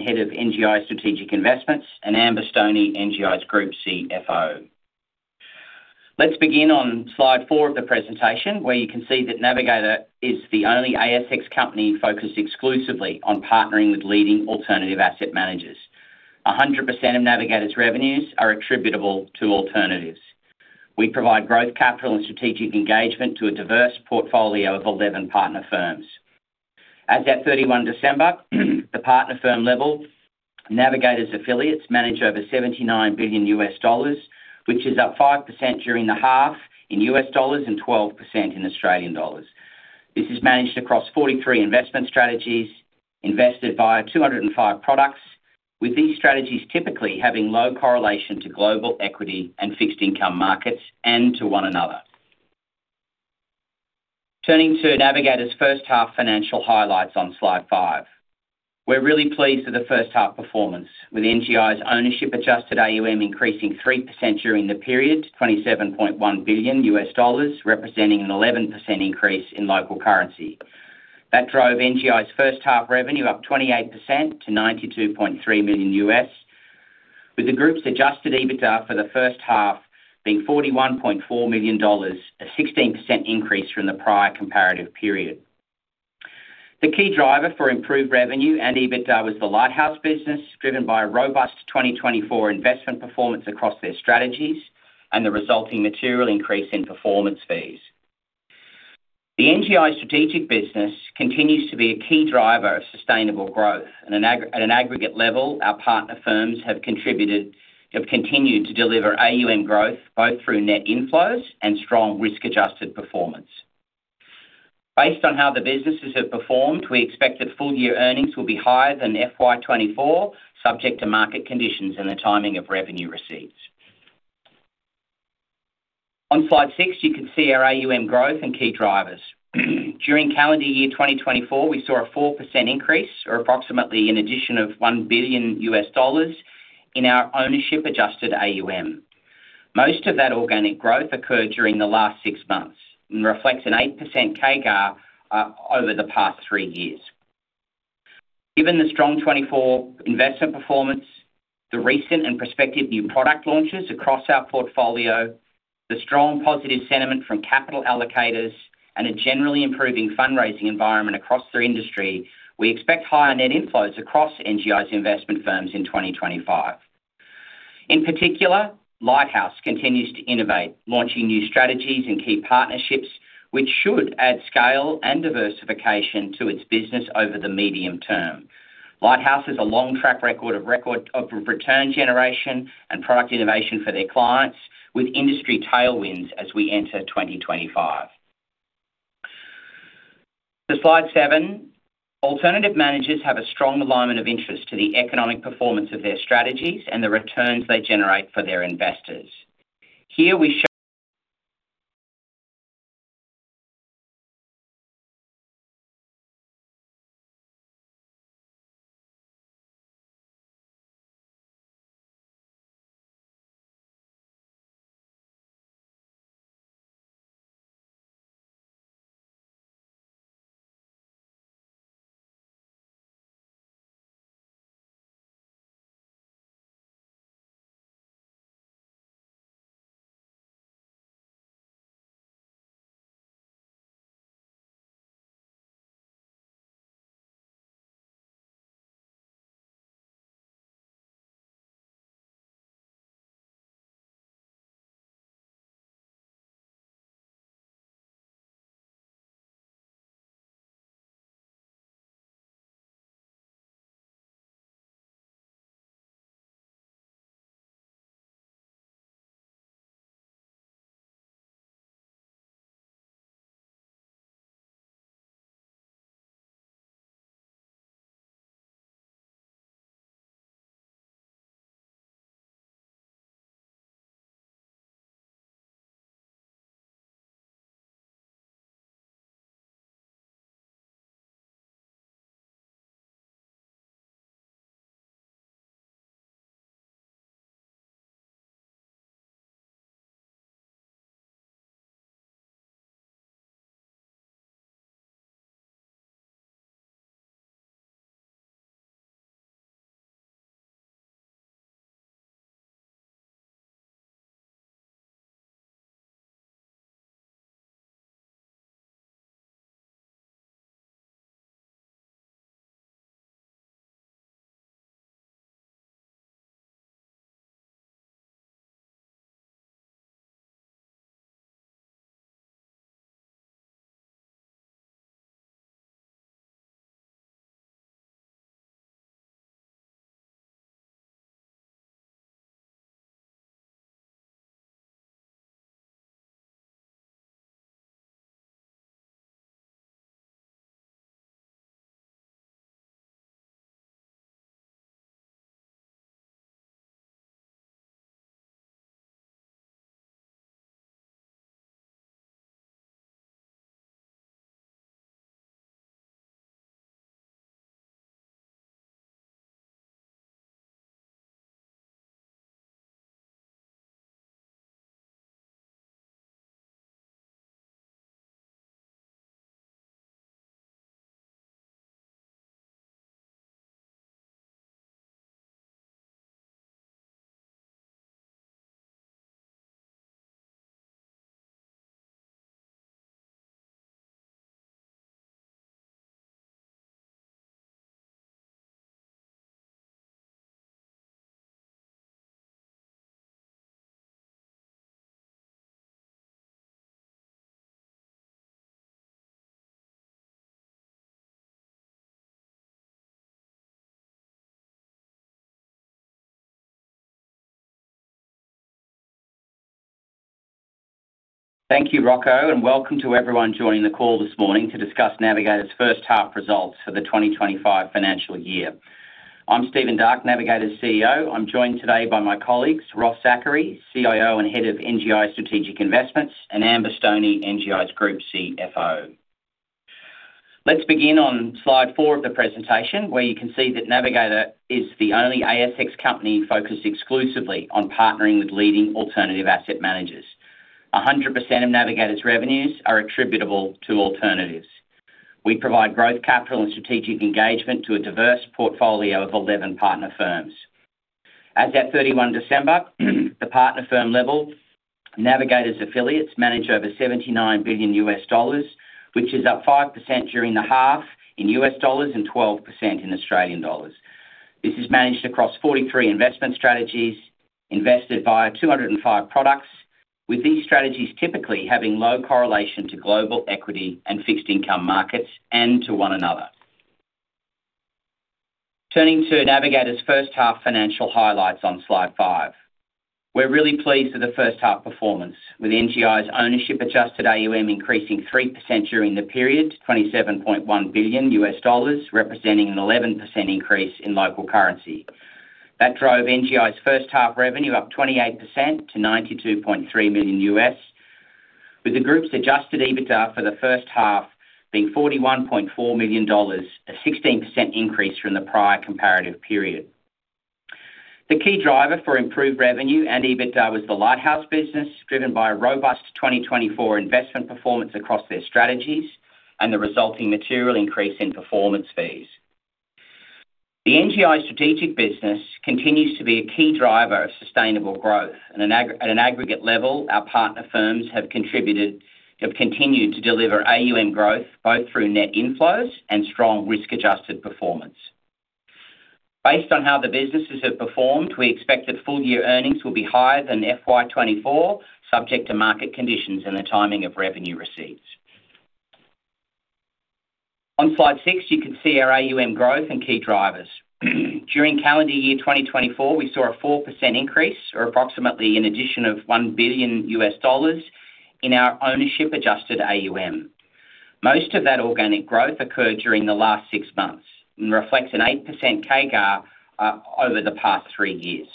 Head of NGI Strategic Investments, and Amber Stoney, NGI's Group CFO. Let's begin on slide four of the presentation, where you can see that Navigator is the only ASX company focused exclusively on partnering with leading alternative asset managers. 100% of Navigator's revenues are attributable to alternatives. We provide growth, capital, and strategic engagement to a diverse portfolio of 11 partner firms. As at 31 December, the partner firm level, Navigator's affiliates manage over $79 billion, which is up 5% during the half in US dollars and 12% in Australian dollars. This is managed across 43 investment strategies, invested via 205 products, with these strategies typically having low correlation to global equity and fixed income markets and to one another. Turning to Navigator's first half financial highlights on slide 5. We're really pleased with the first half performance, with NGI's ownership-adjusted AUM increasing 3% during the period, $27.1 billion, representing an 11% increase in local currency. That drove NGI's first half revenue up 28% to $92.3 million, with the group's adjusted EBITDA for the first half being $41.4 million, a 16% increase from the prior comparative period. The key driver for improved revenue and EBITDA was the Lighthouse business, driven by a robust 2024 investment performance across their strategies and the resulting material increase in performance fees. The NGI Strategic business continues to be a key driver of sustainable growth. At an aggregate level, our partner firms have continued to deliver AUM growth, both through net inflows and strong risk-adjusted performance. Based on how the businesses have performed, we expect that full-year earnings will be higher than FY 2024, subject to market conditions and the timing of revenue receipts. On Slide 6, you can see our AUM growth and key drivers. During calendar year 2024, we saw a 4% increase or approximately an addition of $1 billion in our ownership-adjusted AUM. Most of that organic growth occurred during the last 6 months and reflects an 8% CAGR over the past 3 years. Given the strong 2024 investment performance, the recent and prospective new product launches across our portfolio, the strong positive sentiment from capital allocators, and a generally improving fundraising environment across the industry, we expect higher net inflows across NGI's investment firms in 2025. In particular, Lighthouse continues to innovate, launching new strategies and key partnerships, which should add scale and diversification to its business over the medium term. Lighthouse has a long track record of return generation and product innovation for their clients, with industry tailwinds as we enter 2025. To slide seven, alternative managers have a strong alignment of interest to the economic performance of their strategies and the returns they generate for their investors. Thank you, Rocco, and welcome to everyone joining the call this morning to discuss Navigator's first half results for the 2025 financial year. I'm Stephen Darke, Navigator's CEO. I'm joined today by my colleagues, Ross Zachary, CIO and Head of NGI Strategic Investments, and Amber Stoney, NGI's Group CFO. Let's begin on slide 4 of the presentation, where you can see that Navigator is the only ASX company focused exclusively on partnering with leading alternative asset managers. 100% of Navigator's revenues are attributable to alternatives. We provide growth, capital, and strategic engagement to a diverse portfolio of 11 partner firms. As at 31 December, the partner firm level, Navigator's affiliates manage over $79 billion, which is up 5% during the half in US dollars and 12% in Australian dollars. This is managed across 43 investment strategies, invested via 205 products, with these strategies typically having low correlation to global equity and fixed income markets and to one another. Turning to Navigator's first half financial highlights on slide 5. We're really pleased with the first half performance, with NGI's ownership-adjusted AUM increasing 3% during the period, $27.1 billion, representing an 11% increase in local currency. That drove NGI's first half revenue up 28% to $92.3 million, with the group's adjusted EBITDA for the first half being $41.4 million, a 16% increase from the prior comparative period. The key driver for improved revenue and EBITDA was the Lighthouse business, driven by a robust 2024 investment performance across their strategies and the resulting material increase in performance fees. The NGI Strategic business continues to be a key driver of sustainable growth. At an aggregate level, our partner firms have contributed - have continued to deliver AUM growth, both through net inflows and strong risk-adjusted performance. Based on how the businesses have performed, we expect that full-year earnings will be higher than FY 2024, subject to market conditions and the timing of revenue receipts. On slide 6, you can see our AUM growth and key drivers. During calendar year 2024, we saw a 4% increase or approximately an addition of $1 billion in our ownership adjusted AUM. Most of that organic growth occurred during the last 6 months and reflects an 8% CAGR over the past 3 years.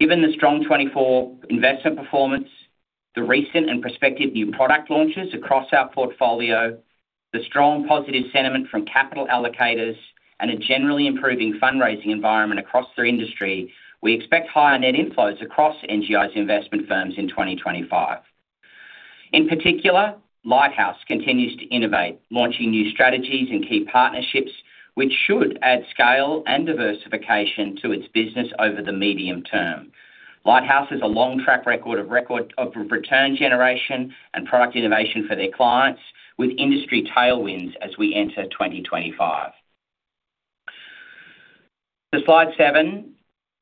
Given the strong 2024 investment performance, the recent and prospective new product launches across our portfolio, the strong positive sentiment from capital allocators and a generally improving fundraising environment across the industry, we expect higher net inflows across NGI's investment firms in 2025. In particular, Lighthouse continues to innovate, launching new strategies and key partnerships, which should add scale and diversification to its business over the medium term. Lighthouse has a long track record of return generation and product innovation for their clients, with industry tailwinds as we enter 2025. To slide seven,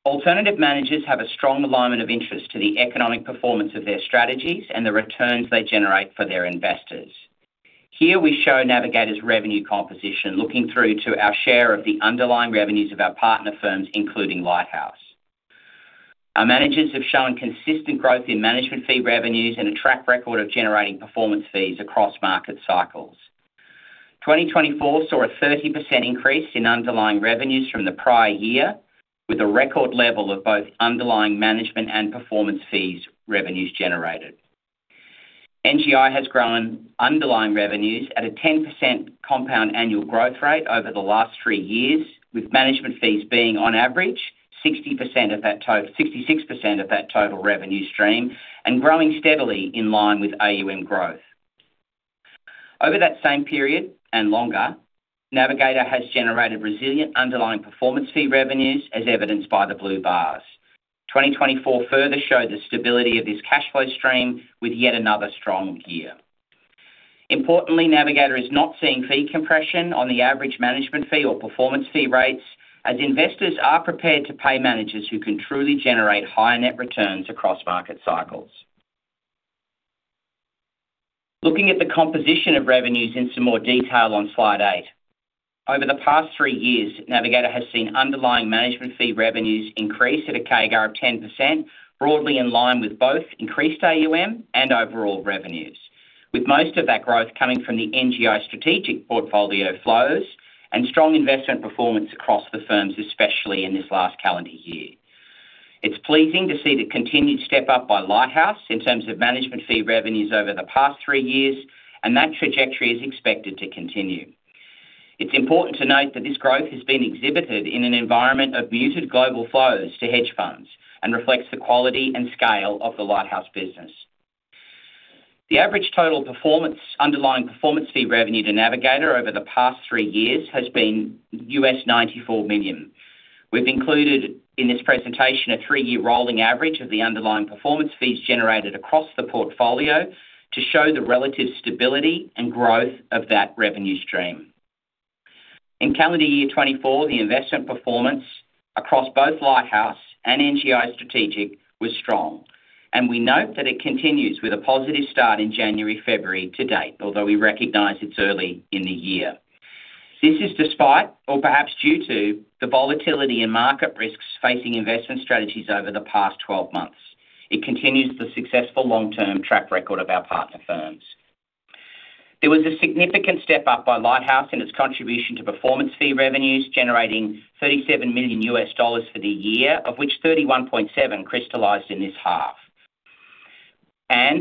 alternative managers have a strong alignment of interest to the economic performance of their strategies and the returns they generate for their investors. Here we show Navigator's revenue composition, looking through to our share of the underlying revenues of our partner firms, including Lighthouse. Our managers have shown consistent growth in management fee revenues and a track record of generating performance fees across market cycles. 2024 saw a 30% increase in underlying revenues from the prior year, with a record level of both underlying management and performance fees revenues generated. NGI has grown underlying revenues at a 10% compound annual growth rate over the last 3 years, with management fees being, on average, 60% of that 66% of that total revenue stream and growing steadily in line with AUM growth. Over that same period, and longer, Navigator has generated resilient underlying performance fee revenues, as evidenced by the blue bars. 2024 further showed the stability of this cash flow stream with yet another strong year. Importantly, Navigator is not seeing fee compression on the average management fee or performance fee rates, as investors are prepared to pay managers who can truly generate higher net returns across market cycles. Looking at the composition of revenues in some more detail on slide 8. Over the past three years, Navigator has seen underlying management fee revenues increase at a CAGR of 10%, broadly in line with both increased AUM and overall revenues, with most of that growth coming from the NGI Strategic portfolio flows and strong investment performance across the firms, especially in this last calendar year. It's pleasing to see the continued step up by Lighthouse in terms of management fee revenues over the past three years, that trajectory is expected to continue. It's important to note that this growth has been exhibited in an environment of muted global flows to hedge funds and reflects the quality and scale of the Lighthouse business. The average total performance, underlying performance fee revenue to Navigator over the past three years has been $94 million. We've included in this presentation a three-year rolling average of the underlying performance fees generated across the portfolio to show the relative stability and growth of that revenue stream. In calendar year 2024, the investment performance across both Lighthouse and NGI Strategic was strong. We note that it continues with a positive start in January, February to date, although we recognize it's early in the year. This is despite, or perhaps due to, the volatility and market risks facing investment strategies over the past 12 months. It continues the successful long-term track record of our partner firms. There was a significant step up by Lighthouse in its contribution to performance fee revenues, generating $37 million for the year, of which $31.7 million crystallized in this half.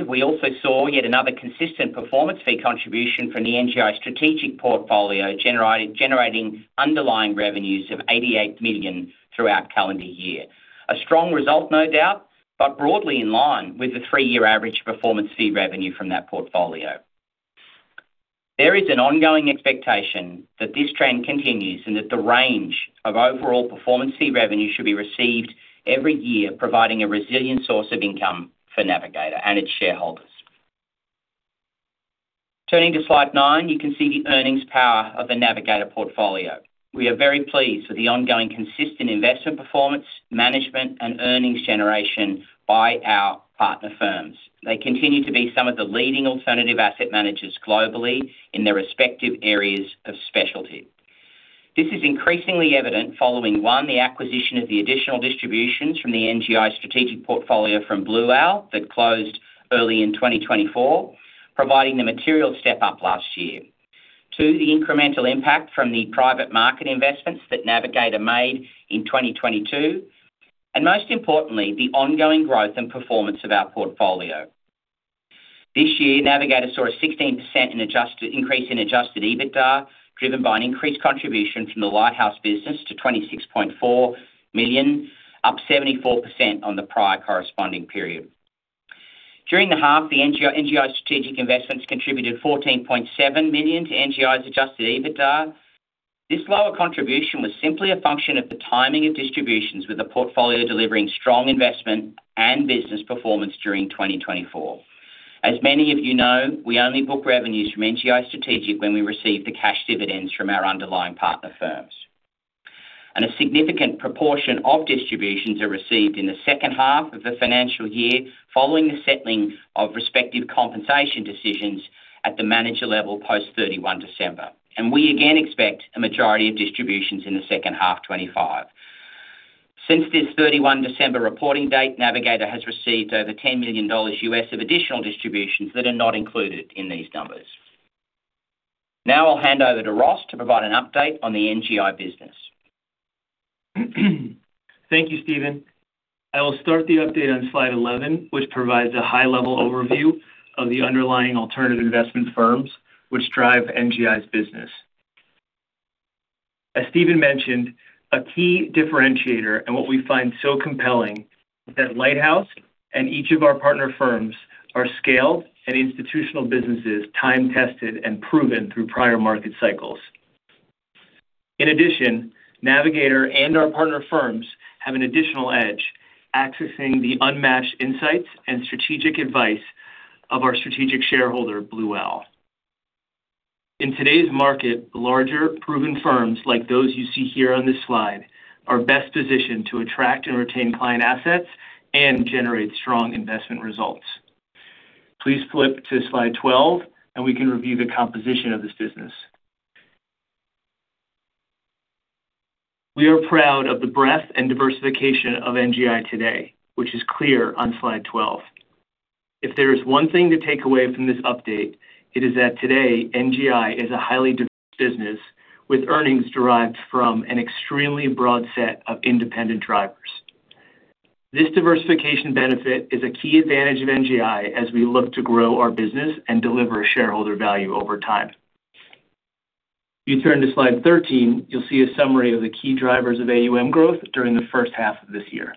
We also saw yet another consistent performance fee contribution from the NGI Strategic portfolio, generating underlying revenues of $88 million throughout calendar year. A strong result, no doubt, but broadly in line with the three-year average performance fee revenue from that portfolio. There is an ongoing expectation that this trend continues and that the range of overall performance fee revenue should be received every year, providing a resilient source of income for Navigator and its shareholders. Turning to slide 9, you can see the earnings power of the Navigator portfolio. We are very pleased with the ongoing consistent investment, performance, management, and earnings generation by our partner firms. They continue to be some of the leading alternative asset managers globally in their respective areas of specialty. This is increasingly evident following, 1, the acquisition of the additional distributions from the NGI Strategic portfolio from Blue Owl that closed early in 2024, providing the material step up last year. 2, the incremental impact from the private market investments that Navigator made in 2022. Most importantly, the ongoing growth and performance of our portfolio. This year, Navigator saw a 16% increase in adjusted EBITDA, driven by an increased contribution from the Lighthouse business to $26.4 million, up 74% on the prior corresponding period. During the half, NGI Strategic Investments contributed $14.7 million to NGI's adjusted EBITDA. This lower contribution was simply a function of the timing of distributions, with the portfolio delivering strong investment and business performance during 2024. As many of you know, we only book revenues from NGI Strategic when we receive the cash dividends from our underlying partner firms. A significant proportion of distributions are received in the second half of the financial year, following the settling of respective compensation decisions at the manager level, post 31 December. We again expect a majority of distributions in the second half 2025. Since this 31 December reporting date, Navigator has received over $10 million of additional distributions that are not included in these numbers. Now I'll hand over to Ross to provide an update on the NGI business. Thank you, Stephen. I will start the update on slide 11, which provides a high-level overview of the underlying alternative investment firms, which drive NGI's business. As Stephen mentioned, a key differentiator and what we find so compelling is that Lighthouse and each of our partner firms are scaled and institutional businesses, time-tested and proven through prior market cycles. In addition, Navigator and our partner firms have an additional edge, accessing the unmatched insights and strategic advice of our strategic shareholder, Blue Owl. In today's market, larger, proven firms like those you see here on this slide, are best positioned to attract and retain client assets and generate strong investment results. Please flip to slide 12, and we can review the composition of this business. We are proud of the breadth and diversification of NGI today, which is clear on slide 12. If there is one thing to take away from this update, it is that today, NGI is a highly diverse business with earnings derived from an extremely broad set of independent drivers. This diversification benefit is a key advantage of NGI as we look to grow our business and deliver shareholder value over time. If you turn to slide 13, you'll see a summary of the key drivers of AUM growth during the first half of this year.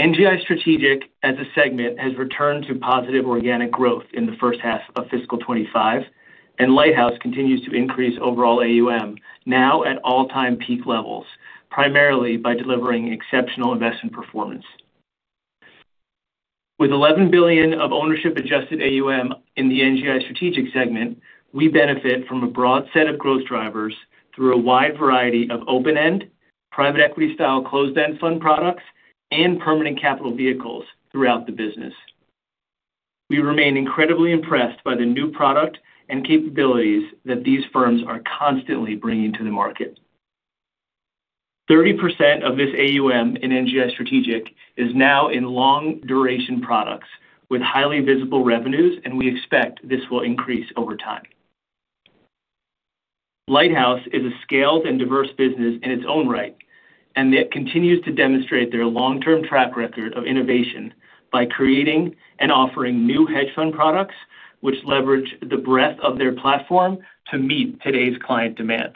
NGI Strategic, as a segment, has returned to positive organic growth in the first half of fiscal 25, and Lighthouse continues to increase overall AUM, now at all-time peak levels, primarily by delivering exceptional investment performance. With $11 billion of ownership adjusted AUM in the NGI Strategic segment, we benefit from a broad set of growth drivers through a wide variety of open-end, private equity style closed-end fund products, and permanent capital vehicles throughout the business. We remain incredibly impressed by the new product and capabilities that these firms are constantly bringing to the market. 30% of this AUM in NGI Strategic is now in long-duration products with highly visible revenues. We expect this will increase over time. Lighthouse is a scaled and diverse business in its own right. It continues to demonstrate their long-term track record of innovation by creating and offering new hedge fund products, which leverage the breadth of their platform to meet today's client demand.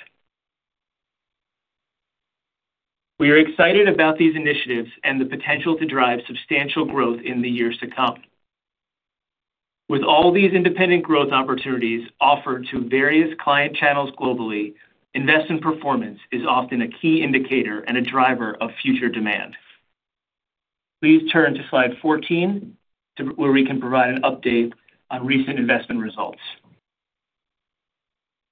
We are excited about these initiatives and the potential to drive substantial growth in the years to come. With all these independent growth opportunities offered to various client channels globally, investment performance is often a key indicator and a driver of future demand. Please turn to slide 14, where we can provide an update on recent investment results.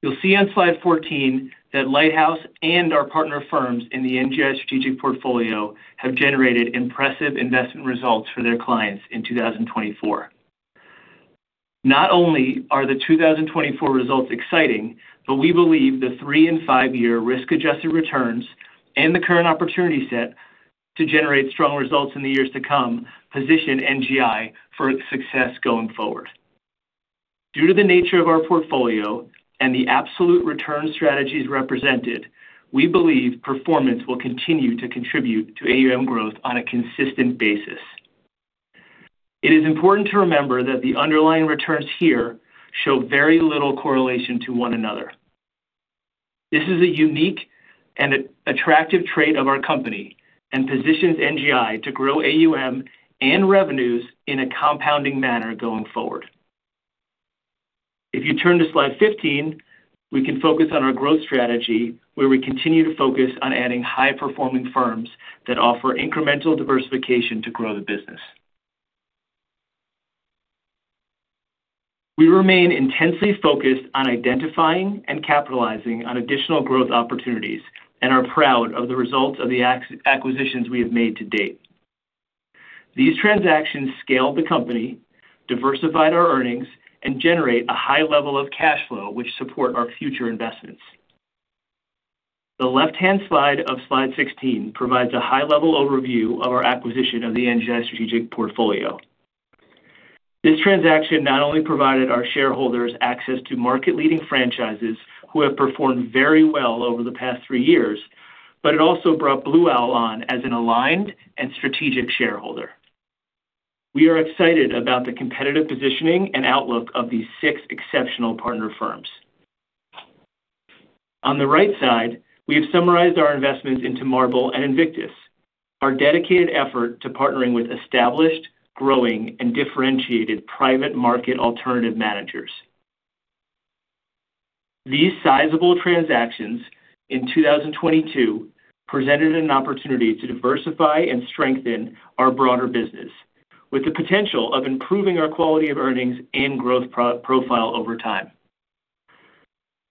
You'll see on slide 14 that Lighthouse and our partner firms in the NGI Strategic Portfolio have generated impressive investment results for their clients in 2024. Not only are the 2024 results exciting, but we believe the 3 and 5-year risk-adjusted returns and the current opportunity set to generate strong results in the years to come, position NGI for success going forward. Due to the nature of our portfolio and the absolute return strategies represented, we believe performance will continue to contribute to AUM growth on a consistent basis. It is important to remember that the underlying returns here show very little correlation to one another. This is a unique and attractive trait of our company and positions NGI to grow AUM and revenues in a compounding manner going forward. If you turn to slide 15, we can focus on our growth strategy, where we continue to focus on adding high-performing firms that offer incremental diversification to grow the business. We remain intensely focused on identifying and capitalizing on additional growth opportunities and are proud of the results of the acquisitions we have made to date. These transactions scaled the company, diversified our earnings, and generate a high level of cash flow, which support our future investments. The left-hand side of slide 16 provides a high-level overview of our acquisition of the NGI Strategic Portfolio. This transaction not only provided our shareholders access to market-leading franchises who have performed very well over the past 3 years, but it also brought Blue Owl on as an aligned and strategic shareholder. We are excited about the competitive positioning and outlook of these 6 exceptional partner firms. On the right side, we have summarized our investments into Marble and Invictus, our dedicated effort to partnering with established, growing, and differentiated private market alternative managers. These sizable transactions in 2022 presented an opportunity to diversify and strengthen our broader business, with the potential of improving our quality of earnings and growth profile over time.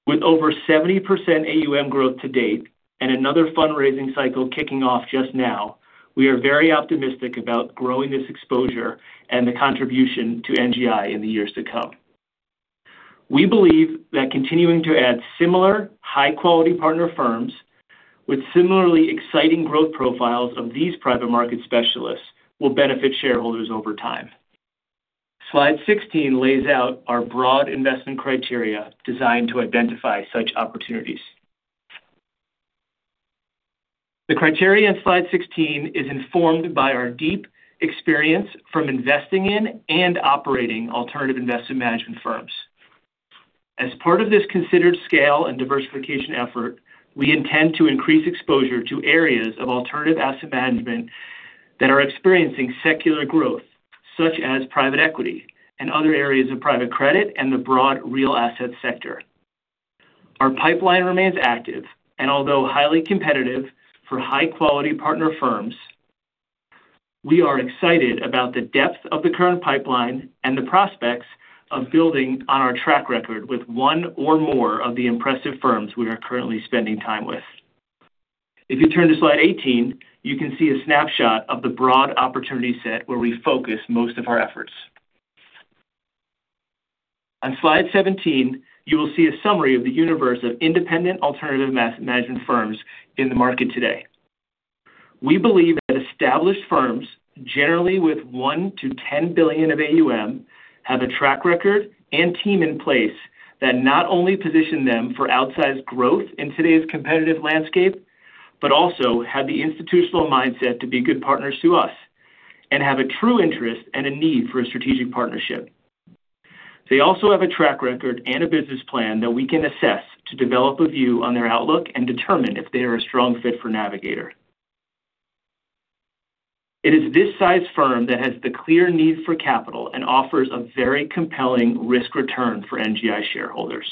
With over 70% AUM growth to date and another fundraising cycle kicking off just now, we are very optimistic about growing this exposure and the contribution to NGI in the years to come. We believe that continuing to add similar high-quality partner firms with similarly exciting growth profiles of these private market specialists will benefit shareholders over time. Slide 16 lays out our broad investment criteria designed to identify such opportunities. The criteria in slide 16 is informed by our deep experience from investing in and operating alternative investment management firms. As part of this considered scale and diversification effort, we intend to increase exposure to areas of alternative asset management that are experiencing secular growth, such as private equity and other areas of private credit and the broad real asset sector. Our pipeline remains active, although highly competitive for high-quality partner firms, we are excited about the depth of the current pipeline and the prospects of building on our track record with one or more of the impressive firms we are currently spending time with. If you turn to slide 18, you can see a snapshot of the broad opportunity set where we focus most of our efforts. On slide 17, you will see a summary of the universe of independent alternative management firms in the market today. We believe that established firms, generally with 1 billion to 10 billion of AUM, have a track record and team in place that not only position them for outsized growth in today's competitive landscape, but also have the institutional mindset to be good partners to us and have a true interest and a need for a strategic partnership. They also have a track record and a business plan that we can assess to develop a view on their outlook and determine if they are a strong fit for Navigator. It is this size firm that has the clear need for capital and offers a very compelling risk return for NGI shareholders.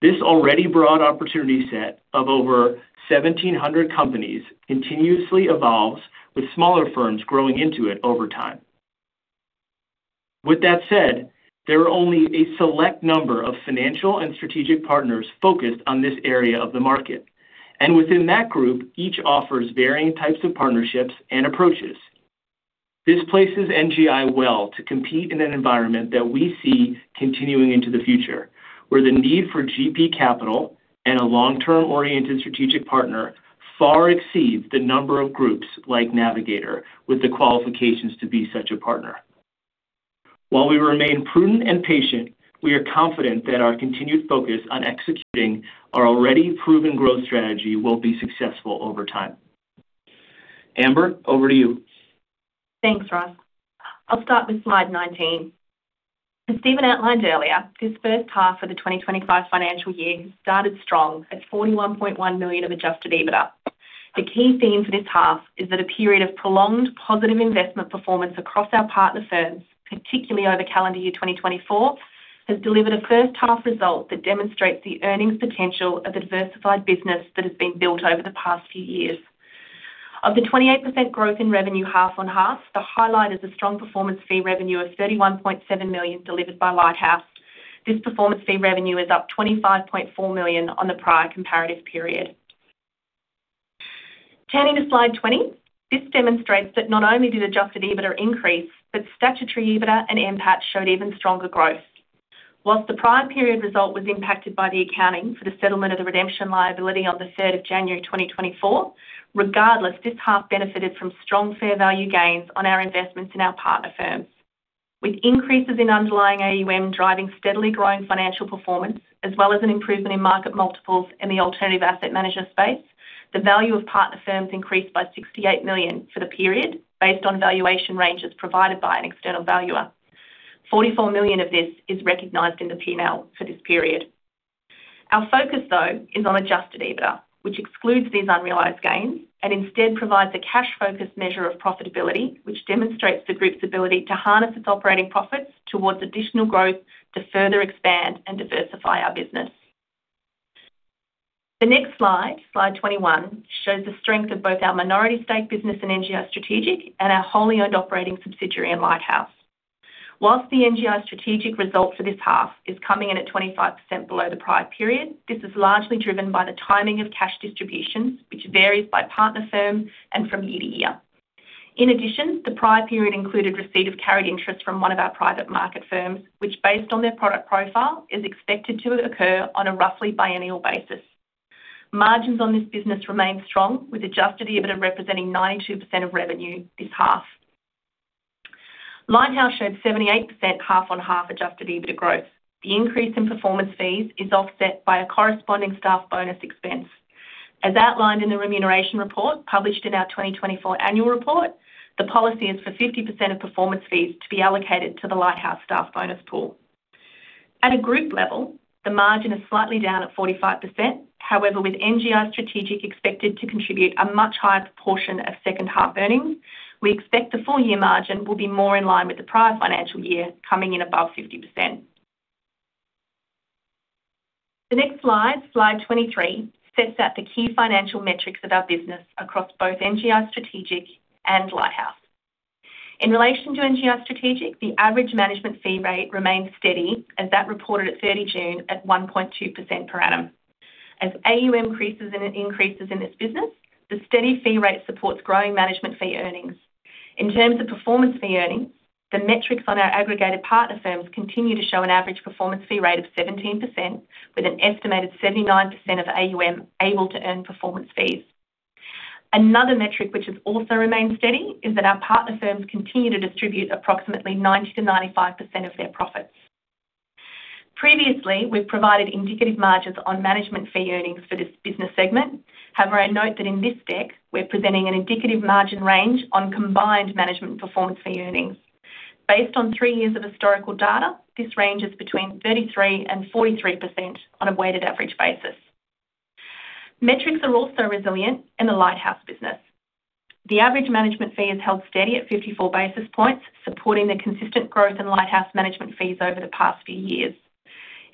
This already broad opportunity set of over 1,700 companies continuously evolves, with smaller firms growing into it over time. With that said, there are only a select number of financial and strategic partners focused on this area of the market, and within that group, each offers varying types of partnerships and approaches. This places NGI well to compete in an environment that we see continuing into the future, where the need for GP capital and a long-term oriented strategic partner far exceeds the number of groups like Navigator, with the qualifications to be such a partner. While we remain prudent and patient, we are confident that our continued focus on executing our already proven growth strategy will be successful over time. Amber, over to you. Thanks, Ross. I'll start with slide 19. As Stephen outlined earlier, this first half of the 2025 financial year has started strong at $41.1 million of adjusted EBITDA. The key theme for this half is that a period of prolonged positive investment performance across our partner firms, particularly over calendar year 2024, has delivered a first-half result that demonstrates the earnings potential of a diversified business that has been built over the past few years. Of the 28% growth in revenue, half on half, the highlight is a strong performance fee revenue of $31.7 million delivered by Lighthouse. This performance fee revenue is up $25.4 million on the prior comparative period. Turning to slide 20, this demonstrates that not only did adjusted EBITDA increase, but statutory EBITDA and NPAT showed even stronger growth. Whilst the prior period result was impacted by the accounting for the settlement of the redemption liability on the 3rd of January 2024, regardless, this half benefited from strong fair value gains on our investments in our partner firms. With increases in underlying AUM driving steadily growing financial performance, as well as an improvement in market multiples in the alternative asset management space, the value of partner firms increased by 68 million for the period, based on valuation ranges provided by an external valuer. 44 million of this is recognized in the P&L for this period. Our focus, though, is on adjusted EBITDA, which excludes these unrealized gains and instead provides a cash-focused measure of profitability, which demonstrates the group's ability to harness its operating profits towards additional growth to further expand and diversify our business. The next slide, slide 21, shows the strength of both our minority stake business in NGI Strategic and our wholly owned operating subsidiary in Lighthouse. Whilst the NGI Strategic result for this half is coming in at 25% below the prior period, this is largely driven by the timing of cash distributions, which varies by partner firms and from year to year. In addition, the prior period included receipt of carried interest from one of our private market firms, which, based on their product profile, is expected to occur on a roughly biennial basis. Margins on this business remain strong, with adjusted EBITDA representing 92% of revenue this half. Lighthouse showed 78% half on half adjusted EBITDA growth. The increase in performance fees is offset by a corresponding staff bonus expense. As outlined in the remuneration report published in our 2024 annual report, the policy is for 50% of performance fees to be allocated to the Lighthouse staff bonus pool. At a group level, the margin is slightly down at 45%. With NGI Strategic expected to contribute a much higher proportion of second half earnings, we expect the full year margin will be more in line with the prior financial year, coming in above 50%. The next slide, slide 23, sets out the key financial metrics of our business across both NGI Strategic and Lighthouse. In relation to NGI Strategic, the average management fee rate remains steady, as that reported at 30 June at 1.2% per annum. As AUM increases and it increases in this business, the steady fee rate supports growing management fee earnings. In terms of performance fee earnings, the metrics on our aggregated partner firms continue to show an average performance fee rate of 17%, with an estimated 79% of AUM able to earn performance fees. Another metric, which has also remained steady, is that our partner firms continue to distribute approximately 90%-95% of their profits. Previously, we've provided indicative margins on management fee earnings for this business segment. However, note that in this deck, we're presenting an indicative margin range on combined management performance fee earnings. Based on 3 years of historical data, this range is between 33% and 43% on a weighted average basis. Metrics are also resilient in the Lighthouse business. The average management fee has held steady at 54 basis points, supporting the consistent growth in Lighthouse management fees over the past few years.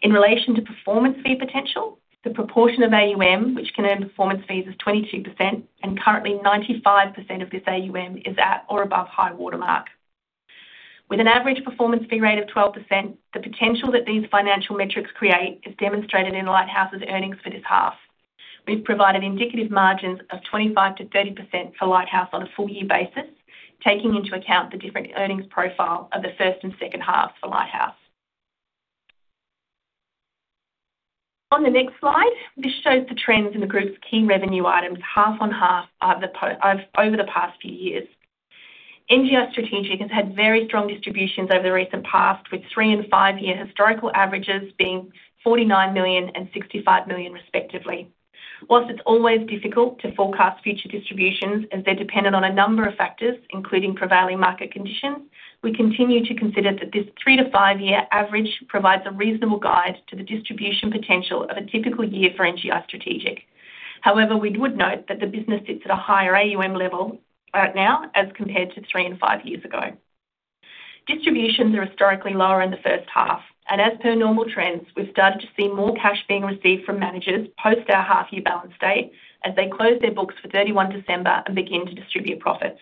In relation to performance fee potential, the proportion of AUM, which can earn performance fees, is 22%, and currently 95% of this AUM is at or above high watermark. With an average performance fee rate of 12%, the potential that these financial metrics create is demonstrated in Lighthouse's earnings for this half. We've provided indicative margins of 25%-30% for Lighthouse on a full year basis, taking into account the different earnings profile of the first and second half for Lighthouse. On the next slide, this shows the trends in the group's key revenue items, half on half over the past few years. NGI Strategic has had very strong distributions over the recent past, with three and five-year historical averages being $49 million and $65 million respectively. Whilst it's always difficult to forecast future distributions, as they're dependent on a number of factors, including prevailing market conditions, we continue to consider that this 3-5-year average provides a reasonable guide to the distribution potential of a typical year for NGI Strategic. We would note that the business sits at a higher AUM level now as compared to 3 and 5 years ago. Distributions are historically lower in the first half, and as per normal trends, we've started to see more cash being received from managers post our half-year balance date as they close their books for 31 December and begin to distribute profits.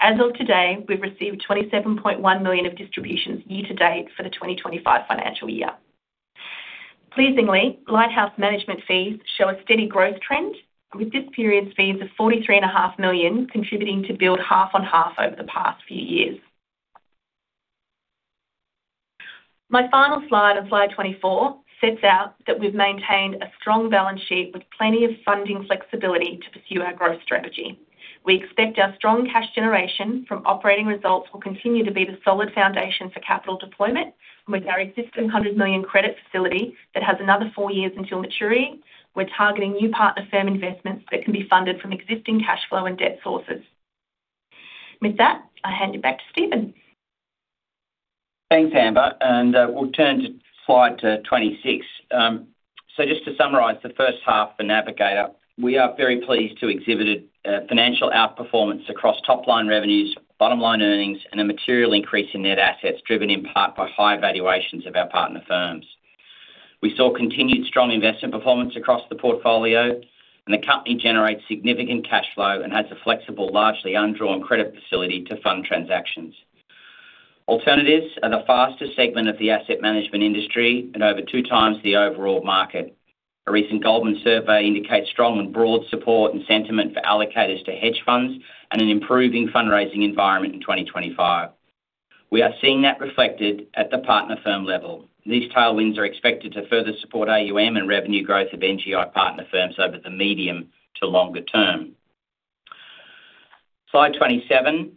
As of today, we've received 27.1 million of distributions year-to-date for the 2025 financial year. Pleasingly, Lighthouse management fees show a steady growth trend, with this period's fees of 43.5 million contributing to build half on half over the past few years. My final slide on slide 24, sets out that we've maintained a strong balance sheet with plenty of funding flexibility to pursue our growth strategy. We expect our strong cash generation from operating results will continue to be the solid foundation for capital deployment, with our existing 100 million credit facility that has another four years until maturity. We're targeting new partner firm investments that can be funded from existing cash flow and debt sources. With that, I hand it back to Stephen. Thanks, Amber. We'll turn to slide 26. Just to summarize the first half for Navigator, we are very pleased to exhibit a financial outperformance across top-line revenues, bottom line earnings, and a material increase in net assets, driven in part by high valuations of our partner firms. We saw continued strong investment performance across the portfolio. The company generates significant cash flow and has a flexible, largely undrawn credit facility to fund transactions. Alternatives are the fastest segment of the asset management industry and over 2x the overall market. A recent Goldman survey indicates strong and broad support and sentiment for allocators to hedge funds and an improving fundraising environment in 2025. We are seeing that reflected at the partner firm level. These tailwinds are expected to further support AUM and revenue growth of NGI partner firms over the medium to longer term. Slide 27,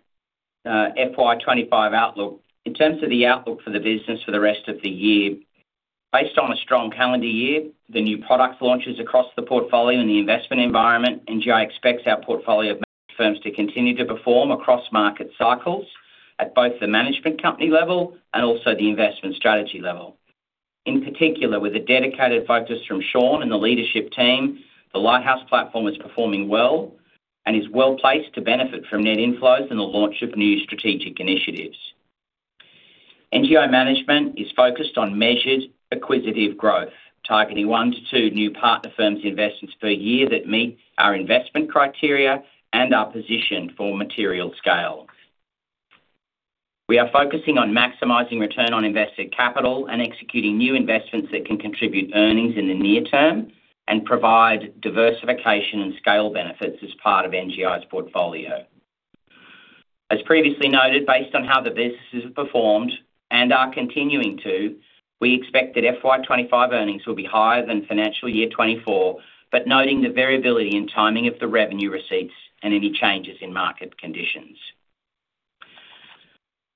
FY 2025 outlook. In terms of the outlook for the business for the rest of the year, based on a strong calendar year, the new product launches across the portfolio and the investment environment, NGI expects our portfolio of managed firms to continue to perform across market cycles at both the management company level and also the investment strategy level. In particular, with a dedicated focus from Sean and the leadership team, the Lighthouse platform is performing well and is well placed to benefit from net inflows and the launch of new strategic initiatives. NGI Management is focused on measured acquisitive growth, targeting 1-2 new partner firms investments per year that meet our investment criteria and are positioned for material scale. We are focusing on maximizing return on invested capital and executing new investments that can contribute earnings in the near term and provide diversification and scale benefits as part of NGI's portfolio. As previously noted, based on how the businesses have performed and are continuing to, we expect that FY 2025 earnings will be higher than financial year 2024, noting the variability and timing of the revenue receipts and any changes in market conditions.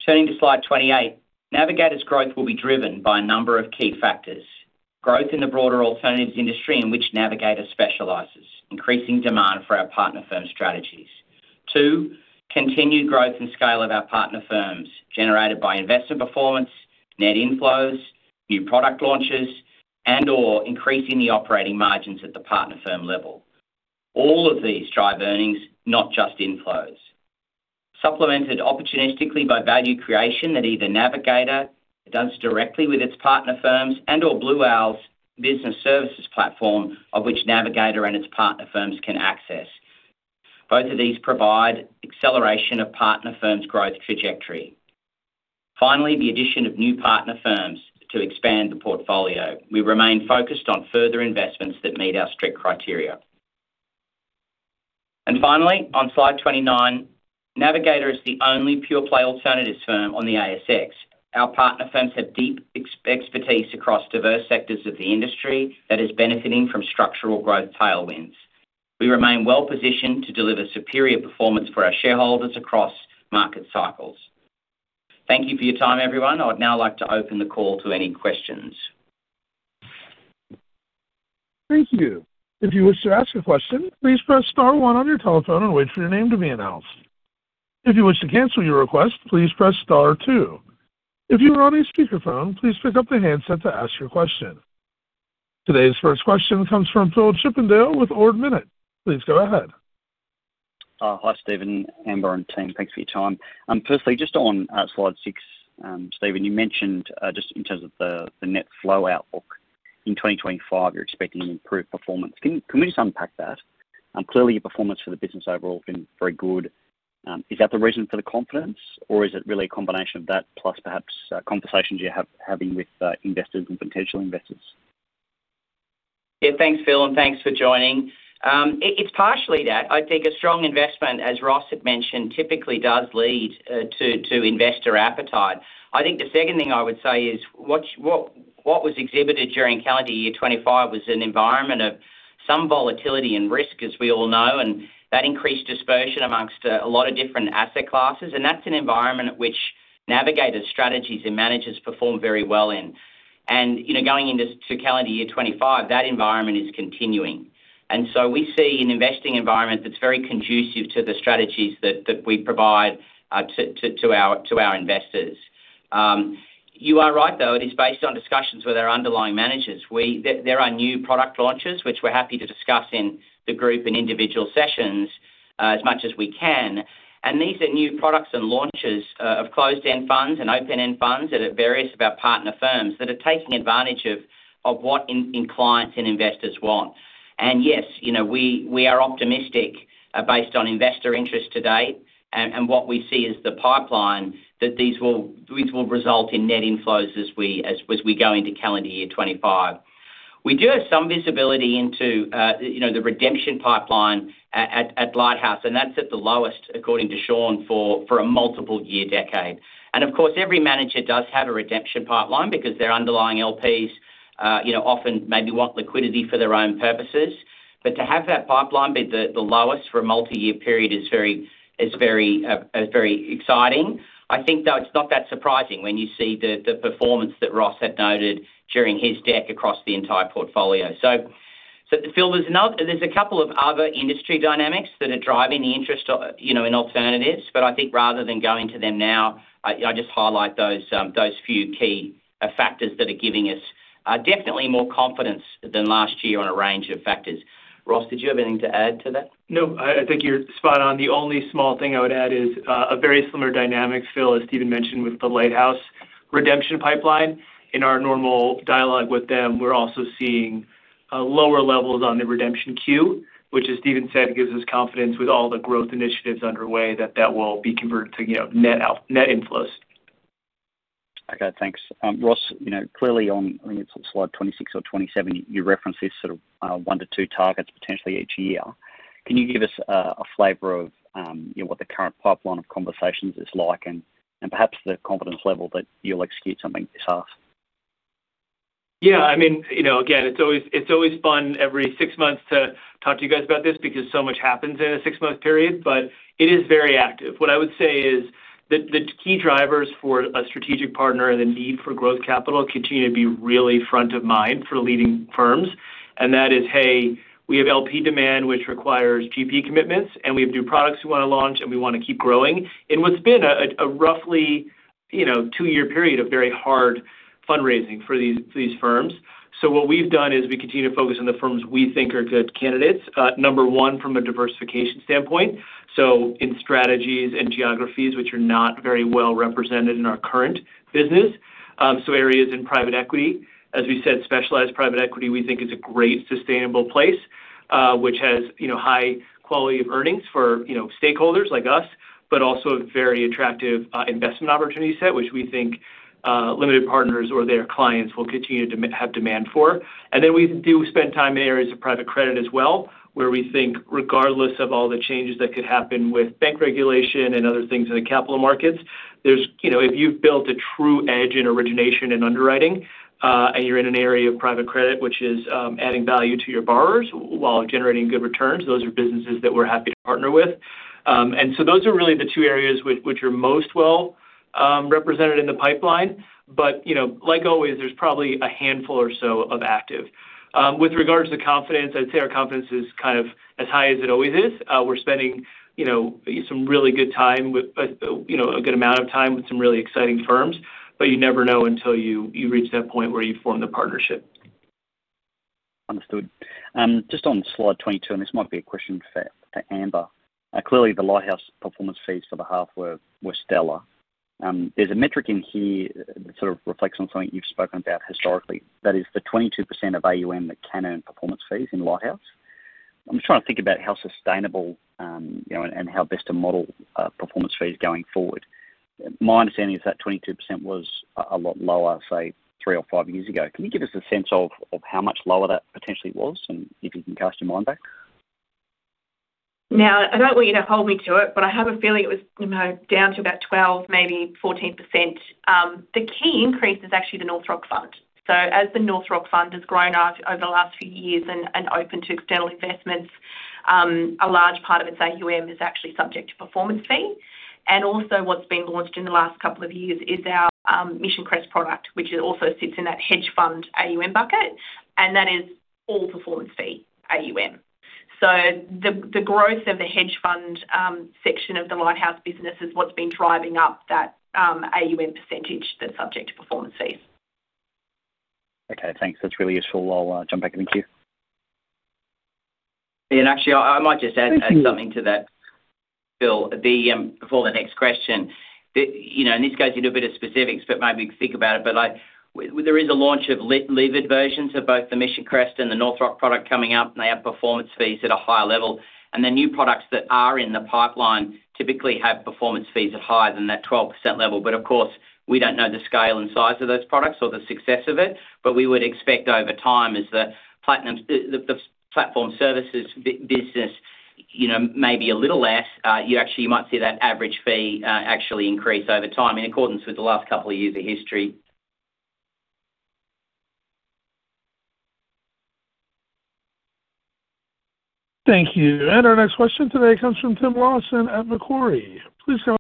Turning to slide 28, Navigator's growth will be driven by a number of key factors. Growth in the broader alternatives industry in which Navigator specializes, increasing demand for our partner firm strategies. 2, continued growth and scale of our partner firms, generated by investor performance, net inflows, new product launches, and/or increasing the operating margins at the partner firm level. All of these drive earnings, not just inflows. Supplemented opportunistically by value creation that either Navigator does directly with its partner firms or Blue Owl's business services platform, of which Navigator and its partner firms can access. Both of these provide acceleration of partner firms' growth trajectory. Finally, the addition of new partner firms to expand the portfolio. We remain focused on further investments that meet our strict criteria. Finally, on slide 29, Navigator is the only pure-play alternatives firm on the ASX. Our partner firms have deep expertise across diverse sectors of the industry that is benefiting from structural growth tailwinds. We remain well-positioned to deliver superior performance for our shareholders across market cycles. Thank you for your time, everyone. I would now like to open the call to any questions. Thank you. If you wish to ask a question, please press star one on your telephone and wait for your name to be announced. If you wish to cancel your request, please press star two. If you are on a speakerphone, please pick up the handset to ask your question. Today's first question comes from Phillip Chippindale with Ord Minnett. Please go ahead. Hi, Stephen, Amber, and team. Thanks for your time. Firstly, just on slide six, Stephen, you mentioned just in terms of the net flow outlook in 2025, you're expecting improved performance. Can we just unpack that? Clearly, your performance for the business overall has been very good. Is that the reason for the confidence, or is it really a combination of that, plus perhaps conversations you're having with investors and potential investors? Yeah, thanks, Phil, and thanks for joining. It, it's partially that. I think a strong investment, as Ross had mentioned, typically does lead to investor appetite. I think the second thing I would say is what was exhibited during calendar year '25 was an environment of some volatility and risk, as we all know, and that increased dispersion amongst a lot of different asset classes, and that's an environment at which Navigator's strategies and managers perform very well in. Going into to calendar year '25, that environment is continuing. And so we see an investing environment that's very conducive to the strategies that, that we provide to our investors. You are right, though, it is based on discussions with our underlying managers. There are new product launches, which we're happy to discuss in the group and individual sessions, as much as we can. These are new products and launches, of closed-end funds and open-end funds that are various of our partner firms, that are taking advantage of what in clients and investors want. Yes, you know, we, we are optimistic, based on investor interest to date, and what we see as the pipeline, that these will result in net inflows as we go into calendar year 2025. We do have some visibility into the redemption pipeline at Lighthouse, and that's at the lowest, according to Sean, for a multiple-year decade. Of course, every manager does have a redemption pipeline because their underlying LPs often maybe want liquidity for their own purposes. To have that pipeline be the lowest for a multi-year period is very exciting. I think, though, it's not that surprising when you see the performance that Ross had noted during his deck across the entire portfolio. Phil, there's a couple of other industry dynamics that are driving the interest, you know, in alternatives, but I think rather than going to them now, I just highlight those, those few key factors that are giving us definitely more confidence than last year on a range of factors. Ross, did you have anything to add to that? No, I think you're spot on. The only small thing I would add is a very similar dynamic, Phil, as Stephen mentioned, with the Lighthouse redemption pipeline. In our normal dialogue with them, we're also seeing lower levels on the redemption queue, which, as Stephen said, gives us confidence with all the growth initiatives underway that will be converted to net inflows. Okay, thanks. Ross, clearly on, I think it's slide 26 or 27, you reference these 1:2 targets potentially each year. Can you give us a flavor of what the current pipeline of conversations is like and perhaps the confidence level that you'll execute something this half? It's always fun every 6 months to talk to you guys about this because so much happens in a 6-month period. It is very active. What I would say is the, the key drivers for a strategic partner and the need for growth capital continue to be really front of mind for leading firms. That is, hey, we have LP demand, which requires GP commitments, and we have new products we wanna launch, and we wanna keep growing. In what's been a, a, a roughly, you know, 2-year period of very hard fundraising for these, these firms. What we've done is we continue to focus on the firms we think are good candidates. Number one, from a diversification standpoint, in strategies and geographies which are not very well represented in our current business. Areas in private equity. As we said, specialized private equity, we think, is a great sustainable place, which has, you know, high quality of earnings for, you know, stakeholders like us, but also a very attractive investment opportunity set, which we think limited partners or their clients will continue to have demand for. We do spend time in areas of private credit as well, where we think regardless of all the changes that could happen with bank regulation and other things in the capital markets, there's. You know, if you've built a true edge in origination and underwriting, and you're in an area of private credit, which is adding value to your borrowers while generating good returns, those are businesses that we're happy to partner with. Those are really the two areas that are most well-represented in the pipeline. Like always, there's probably a handful or so of active. With regards to confidence, I'd say our confidence is kind of as high as it always is. We're spending, you know, some really good time with, you know, a good amount of time with some really exciting firms, but you never know until you reach that point where you form the partnership. Understood. Just on slide 22, and this might be a question for Amber. Clearly, the Lighthouse performance fees for the half were, were stellar. There's a metric in here that sort of reflects on something you've spoken about historically. That is the 22% of AUM that can earn performance fees in Lighthouse. I'm just trying to think about how sustainable, you know, and how best to model performance fees going forward. My understanding is that 22% was a, a lot lower, say, 3 or 5 years ago. Can you give us a sense of how much lower that potentially was and if you can cast your mind back? I don't want you to hold me to it, but I have a feeling it was, you know, down to about 12%, maybe 14%. The key increase is actually the North Rock Fund. As the North Rock Fund has grown out over the last few years and is open to external investments, a large part of its AUM is actually subject to performance fee. Also what's been launched in the last couple of years is our Mission Crest product, which is also sits in that hedge fund AUM bucket, and that is all performance fee, AUM. The, the growth of the hedge fund section of the Lighthouse business is what's been driving up that AUM percentage that's subject to performance fees. Okay, thanks. That's really useful. I'll jump back into you. Actually, I might just add something to that, Phil. Before the next question, this goes into a bit of specifics, but maybe think about it. Like, there is a launch of levered versions of both the Mission Crest and the North Rock product coming up, and they have performance fees at a higher level. The new products that are in the pipeline typically have performance fees higher than that 12% level. Of course, we don't know the scale and size of those products or the success of it, but we would expect over time, as the Platform Services business, you know, maybe a little less, you actually might see that average fee actually increase over time in accordance with the last couple of years of history. Thank you. Our next question today comes from Tim Lawson at Macquarie. Please go ahead.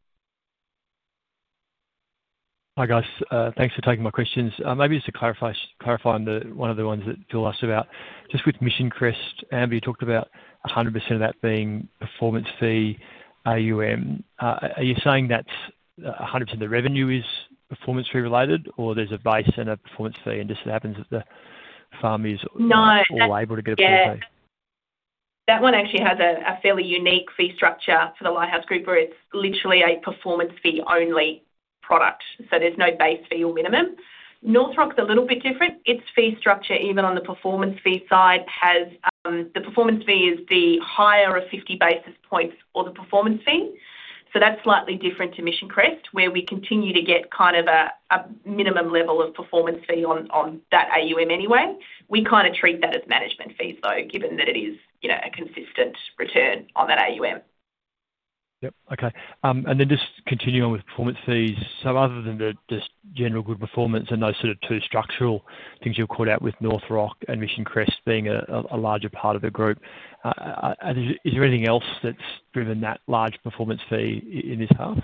Hi, guys, thanks for taking my questions. Maybe just to clarify, clarify on the, one of the ones that Phil asked about. Just with Mission Crest, Amber, you talked about 100% of that being performance fee, AUM. Are you saying that's 100% of the revenue is performance fee related, or there's a base and a performance fee, and just happens that the farm is all able to get a fee? That one actually has a fairly unique fee structure for Lighthouse, where it's literally a performance fee only product, so there's no base fee or minimum. North Rock is a little bit different. Its fee structure, even on the performance fee side, has the performance fee is the higher of 50 basis points or the performance fee. That's slightly different to Mission Crest, where we continue to get kind of a minimum level of performance fee on that AUM anyway. We kind of treat that as management fees, though, given that it is a consistent return on that AUM. Then just continuing on with performance fees. Other than the, just general good performance and those two structural things you've called out with North Rock and Mission Crest being a larger part of the group, is there anything else that's driven that large performance fee in this half?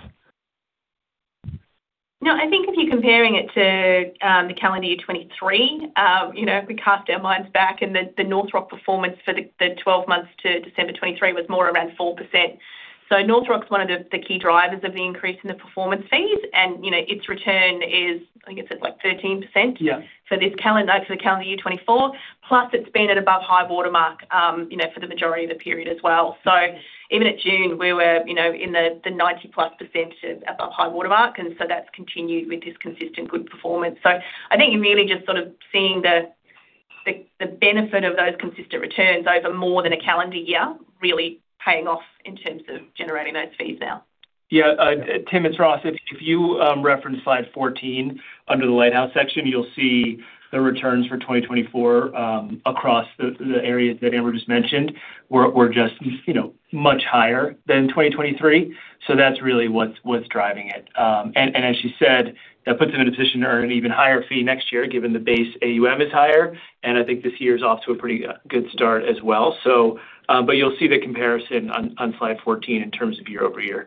I think if you're comparing it to the calendar year 2023, you know, if we cast our minds back, the North Rock performance for the 12 months to December 2023 was more around 4%. North Rock's one of the key drivers of the increase in the performance fees, you know, its return is, I think it's like 13%. For this calendar, for the calendar year 2024, plus it's been at above high watermark for the majority of the period as well. Even at June, we were in the 90+% above high watermark, and so that's continued with this consistent good performance. I think you're really just sort of seeing the benefit of those consistent returns over more than a calendar year, really paying off in terms of generating those fees now. Tim, it's Ross. If you reference slide 14 under the Lighthouse section, you'll see the returns for 2024, across the areas that Amber just mentioned were just, you know, much higher than 2023. That's really what's, what's driving it. And as she said, that puts them in a position to earn an even higher fee next year, given the base AUM is higher, and I think this year is off to a pretty good start as well. You'll see the comparison on, on slide 14 in terms of year-over-year.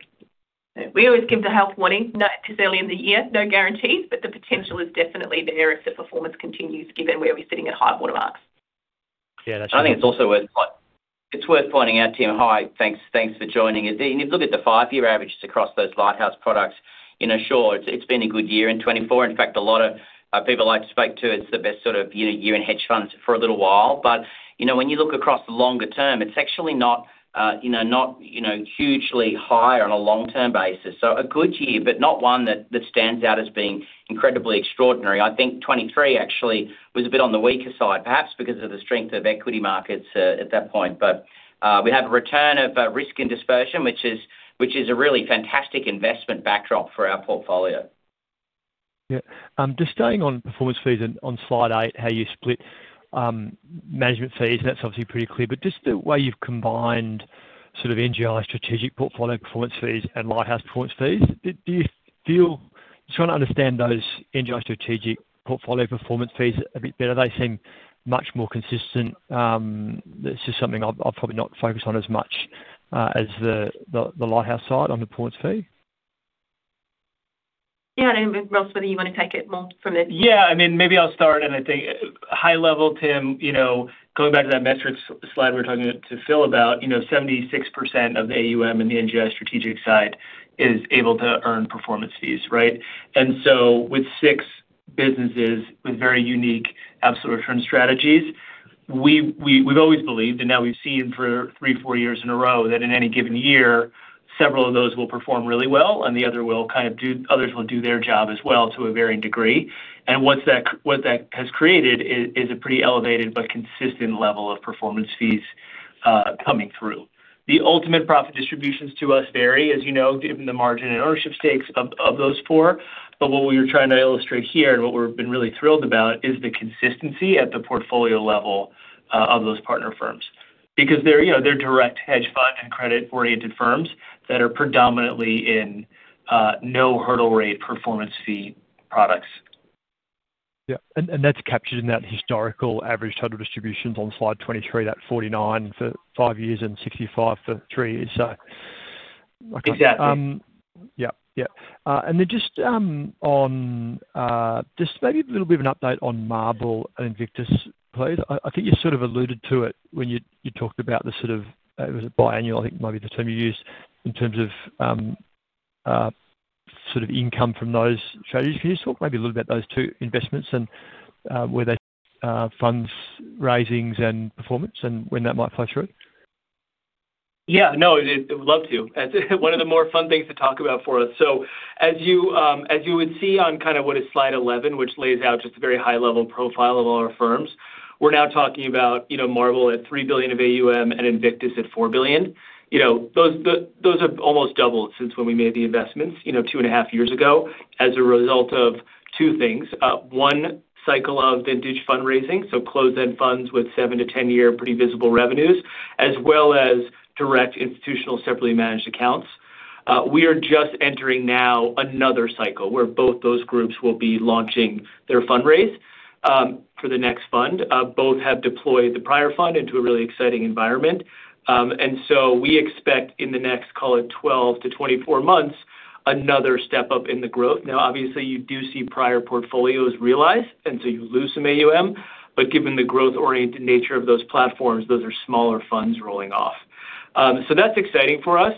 We always give the health warning, not too early in the year, no guarantees, but the potential is definitely there if the performance continues, given where we're sitting at high water marks. It's worth pointing out, Tim. Hi, thanks, thanks for joining us. If you look at the five-year averages across those Lighthouse products it's been a good year in 2024. In fact, a lot of people I'd like to speak to, it's the best year in hedge funds for a little while. When you look across the longer term, it's actually not hugely higher on a long-term basis. A good year, but not one that, that stands out as being incredibly extraordinary. I think 2023 actually was a bit on the weaker side, perhaps because of the strength of equity markets at that point. We have a return of, risk and dispersion, which is a really fantastic investment backdrop for our portfolio. YeJust staying on performance fees and on slide eight, how you split management fees, and that's obviously pretty clear, but just the way you've combined sort of NGI Strategic portfolio performance fees and Lighthouse performance fees. Just trying to understand those NGI Strategic portfolio performance fees a bit better. They seem much more consistent; this is something I'll probably not focus on as much as the Lighthouse side on the performance fee. Yeah, Ross, whether you want to take it more from there? Maybe I'll start, and I think high level, Tim, you know, 76% of the AUM in the NGI Strategic side is able to earn performance fees, right? And so with six businesses with very unique absolute return strategies, we, we, we've always believed, and now we've seen for 3, 4 years in a row, that in any given year, several of those will perform really well, and the other will kind of others will do their job as well to a varying degree. And what that has created is, is a pretty elevated but consistent level of performance fees, coming through. The ultimate profit distributions to us vary, as you know, given the margin and ownership stakes of, of those four. What we were trying to illustrate here, and what we've been really thrilled about, is the consistency at the portfolio level, of those partner firms. Because they're direct hedge fund and credit-oriented firms that are predominantly in, no hurdle rate performance fee products. Yeah, that's captured in that historical average total distributions on slide 23, that 49 for 5 years and 65 for 3 years. Then just on just maybe a little bit of an update on Marble and Invictus, please. I think you sort of alluded to it when you talked about the sort of, was it biannual? I think maybe the term you used, in terms of, sort of income from those strategies. Can you just talk maybe a little about those two investments and where those funds, risings, and performance and when that might flow through? I would love to. One of the more fun things to talk about for us. As you, as you would see on kind of what is slide 11, which lays out just a very high-level profile of all our firms, we're now talking about, you know, Marble at $3 billion of AUM and Invictus at $4 billion. You know, those, the, those have almost doubled since when we made the investments, you know, two and a half years ago, as a result of two things: one, cycle of vintage fundraising, so closed-end funds with 7-10-year pretty visible revenues, as well as direct institutional separately managed accounts. We are just entering now another cycle, where both those groups will be launching their fundraise for the next fund. Both have deployed the prior fund into a really exciting environment. We expect in the next, call it 12-24 months, another step up in the growth. Now, obviously, you do see prior portfolios realized, you lose some AUM, but given the growth-oriented nature of those platforms, those are smaller funds rolling off. That's exciting for us.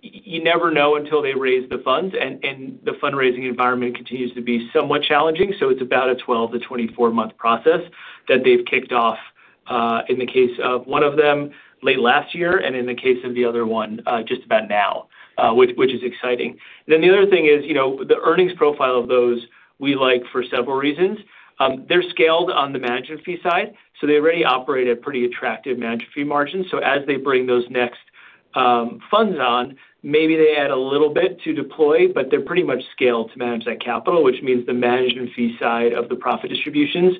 You never know until they raise the funds, the fundraising environment continues to be somewhat challenging, it's about a 12-24 month process that they've kicked off in the case of one of them, late last year, in the case of the other one, just about now, is exciting. The other thing is, you know, the earnings profile of those we like for several reasons. They're scaled on the management fee side, they already operate at pretty attractive management fee margins. As they bring those next funds on, maybe they add a little bit to deploy, but they're pretty much scaled to manage that capital, which means the management fee side of the profit distributions,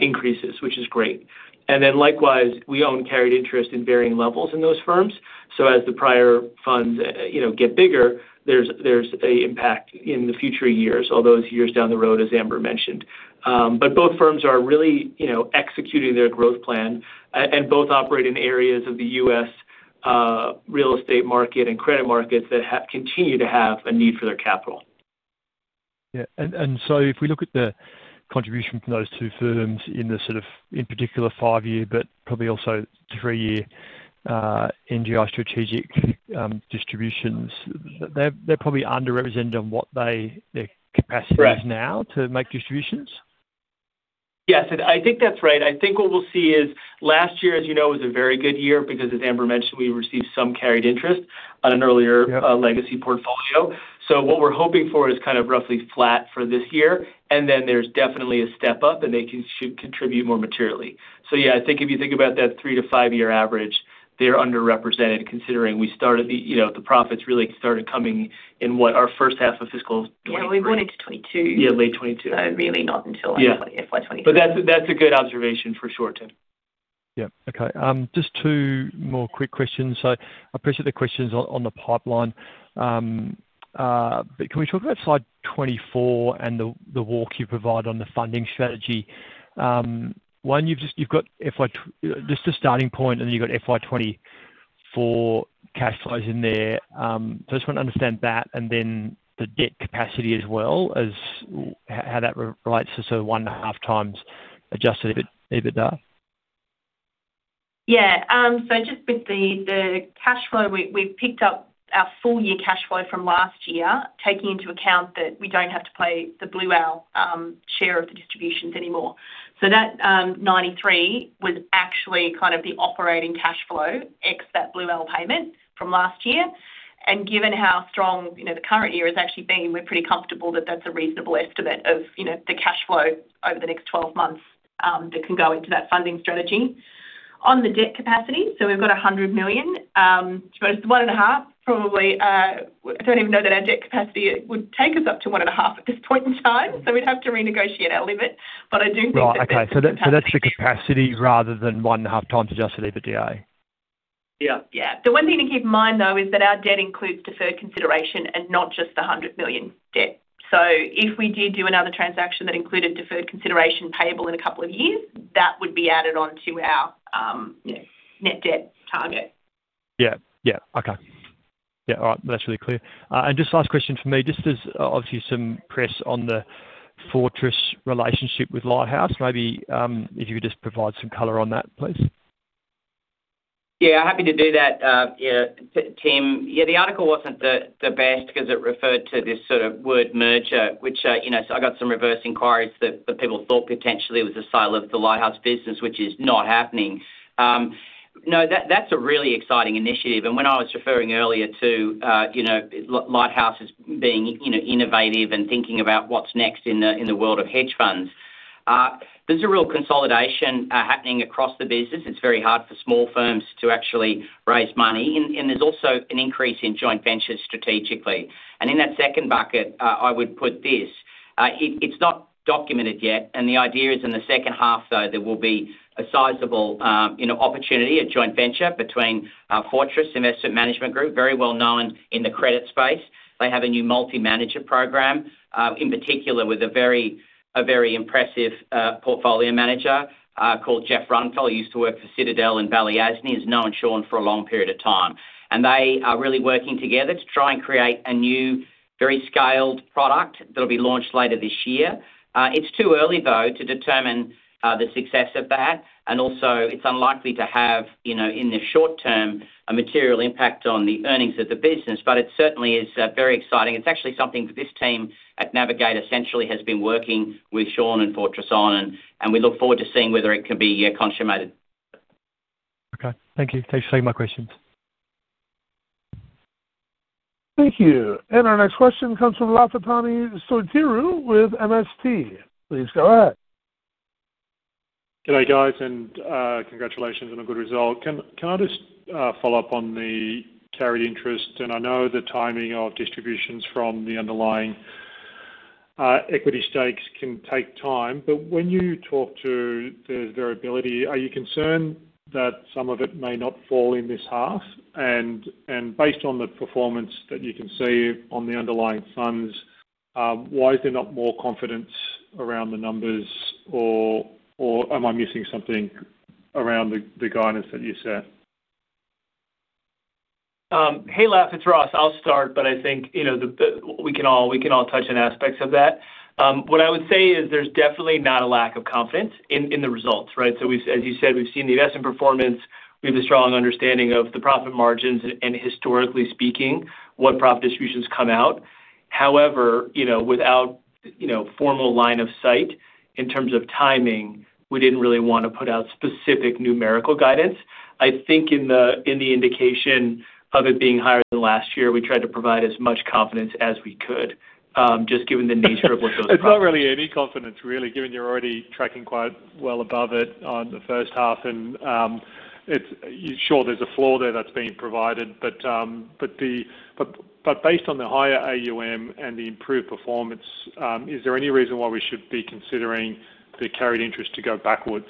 increases, which is great. Then likewise, we own carried interest in varying levels in those firms. As the prior funds, you know, get bigger, there's a impact in the future years, all those years down the road, as Amber mentioned. Both firms are really, you know, executing their growth plan, and both operate in areas of the US, real estate market and credit markets that continue to have a need for their capital. So if we look at the contribution from those two firms in the sort of, in particular, five-year but probably also three-year, NGI Strategic distributions, they're, they're probably underrepresented on what their capacity is now to make distributions? Yes, and I think that's right. I think what we'll see is last year, as you know, was a very good year because, as Amber mentioned, we received some carried interest on an earlier legacy portfolio. What we're hoping for is kind of roughly flat for this year, and then there's definitely a step up, and they can should contribute more materially. If you think about that 3-5 year average, they're underrepresented, considering we started the, you know, the profits really started coming in what, our first half of fiscal 2023. We went into 2022 really not until FY 2022. That's a good observation for sure, Tim. Yeah. Okay, just two more quick questions. I appreciate the questions on the pipeline. Can we talk about slide 24 and the, the walk you provide on the funding strategy? One, just a starting point, and then you've got FY 2024 cash flows in there. I just want to understand that and then the debt capacity as well as how, how that relates to sort of 1.5x adjusted EBITDA. Just with the cash flow, we've picked up our full-year cash flow from last year, taking into account that we don't have to pay the Blue Owl share of the distributions anymore. That $93 was actually kind of the operating cash flow, ex that Blue Owl payment from last year. Given how strong the current year has actually been, we're pretty comfortable that that's a reasonable estimate of, you know, the cash flow over the next 12 months that can go into that funding strategy. On the debt capacity, we've got $100 million, so 1.5, probably. I don't even know that our debt capacity would take us up to 1.5 at this point in time, so we'd have to renegotiate our limit. Right. Okay, that, so that's the capacity rather than 1.5x adjusted EBITDA. The one thing to keep in mind, though, is that our debt includes deferred consideration and not just the $100 million debt. If we did do another transaction that included deferred consideration payable in a couple of years, that would be added on to our net debt target. All right. That's really clear. Just last question for me, just there's obviously some press on the Fortress relationship with Lighthouse. Maybe, if you could just provide some color on that, please. Happy to do that Tim. The article wasn't the, the best because it referred to this sort of word merger, which, you know, so I got some reverse inquiries that, that people thought potentially it was a sale of the Lighthouse business, which is not happening. That's a really exciting initiative. When I was referring earlier to Lighthouse as being innovative and thinking about what's next in the world of hedge funds. There's a real consolidation happening across the business. It's very hard for small firms to actually raise money, and there's also an increase in joint ventures strategically. In that second bucket, I would put this: it's not documented yet, and the idea is in the second half, though, there will be a sizable, you know, opportunity, a joint venture between Fortress Investment Management Group, very well known in the credit space. They have a new multi-manager program, in particular, with a very, a very impressive portfolio manager, called Jeff Runnfeldt, used to work for Citadel and Balyasny, he's known Sean for a long period of time. They are really working together to try and create a new, very scaled product that'll be launched later this year. It's too early, though, to determine the success of that. Also, it's unlikely to have, you know, in the short term, a material impact on the earnings of the business, but it certainly is very exciting. It's actually something that this team at Navigator essentially has been working with Sean and Fortress on, and we look forward to seeing whether it can be consummated. Okay. Thank you. Thanks for taking my questions. Thank you. Our next question comes from Lafitani Sotiriou with MST. Please go ahead. Good day, guys, and congratulations on a good result. Can, can I just follow up on the carried interest? I know the timing of distributions from the underlying equity stakes can take time, but when you talk to the variability, are you concerned that some of it may not fall in this half? Based on the performance that you can see on the underlying funds, why is there not more confidence around the numbers, or am I missing something around the guidance that you set? Hey, Laf, it's Ross. I'll start, we can all touch on aspects of that. What I would say is there's definitely not a lack of confidence in the results, right? We've, as you said, we've seen the investment performance. We have a strong understanding of the profit margins and historically speaking, what profit distributions come out. However, without formal line of sight in terms of timing, we didn't really want to put out specific numerical guidance. I think in the indication of it being higher than last year, we tried to provide as much confidence as we could, just given the nature of what those. It's not really any confidence, really, given you're already tracking quite well above it on the first half. Sure, there's a floor there that's being provided, but based on the higher AUM and the improved performance, is there any reason why we should be considering the carried interest to go backwards?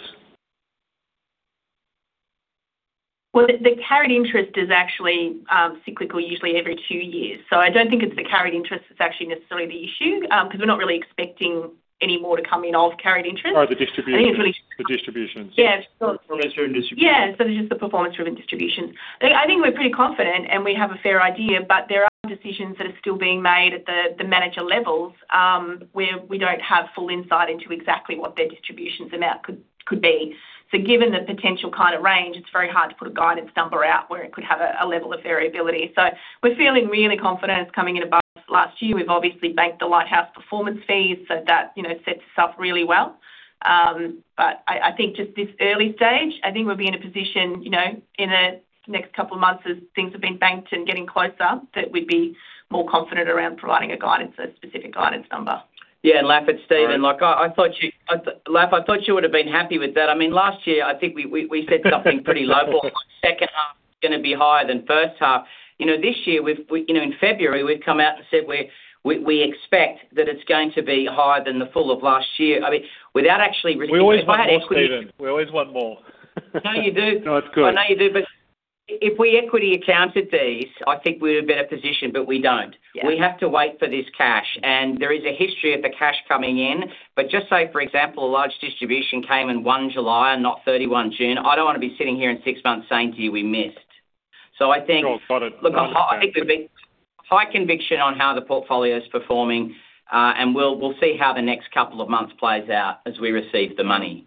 Well, the carried interest is actually cyclical, usually every two years. I don't think it's the carried interest that's actually necessarily the issue, because we're not really expecting any more to come in of carried interest. Performance-driven distributions. It's just the performance-driven distributions. We're pretty confident, and we have a fair idea, but there are decisions that are still being made at the, the manager levels, where we don't have full insight into exactly what their distribution amounts could be. Given the potential kind of range, it's very hard to put a guidance number out where it could have a level of variability. We're feeling really confident it's coming in above last year. We've obviously banked the Lighthouse performance fees, so that sets us up really well. But just this early stage, we'll be in a position, you know, in the next couple of months as things have been banked and getting closer, that we'd be more confident around providing a guidance, a specific guidance number. Like, Laffan, I thought you would have been happy with that. I mean, last year, I think we said something pretty lowball, the second half is gonna be higher than first half. This year, in February, we've come out and said we expect that it's going to be higher than the full of last year. I mean, without actually revealing. We always want more, Stephen. We always want more. I know you do. No, it's good. I know you do, but if we equity-account these, I think we're in a better position, but we don't. We have to wait for this cash, and there is a history of the cash coming in. Just say, for example, a large distribution came in July 1 and not June 30. I don't want to be sitting here in six months saying to you, "We missed." I think. Look, high conviction on how the portfolio is performing, and we'll, we'll see how the next couple of months plays out as we receive the money.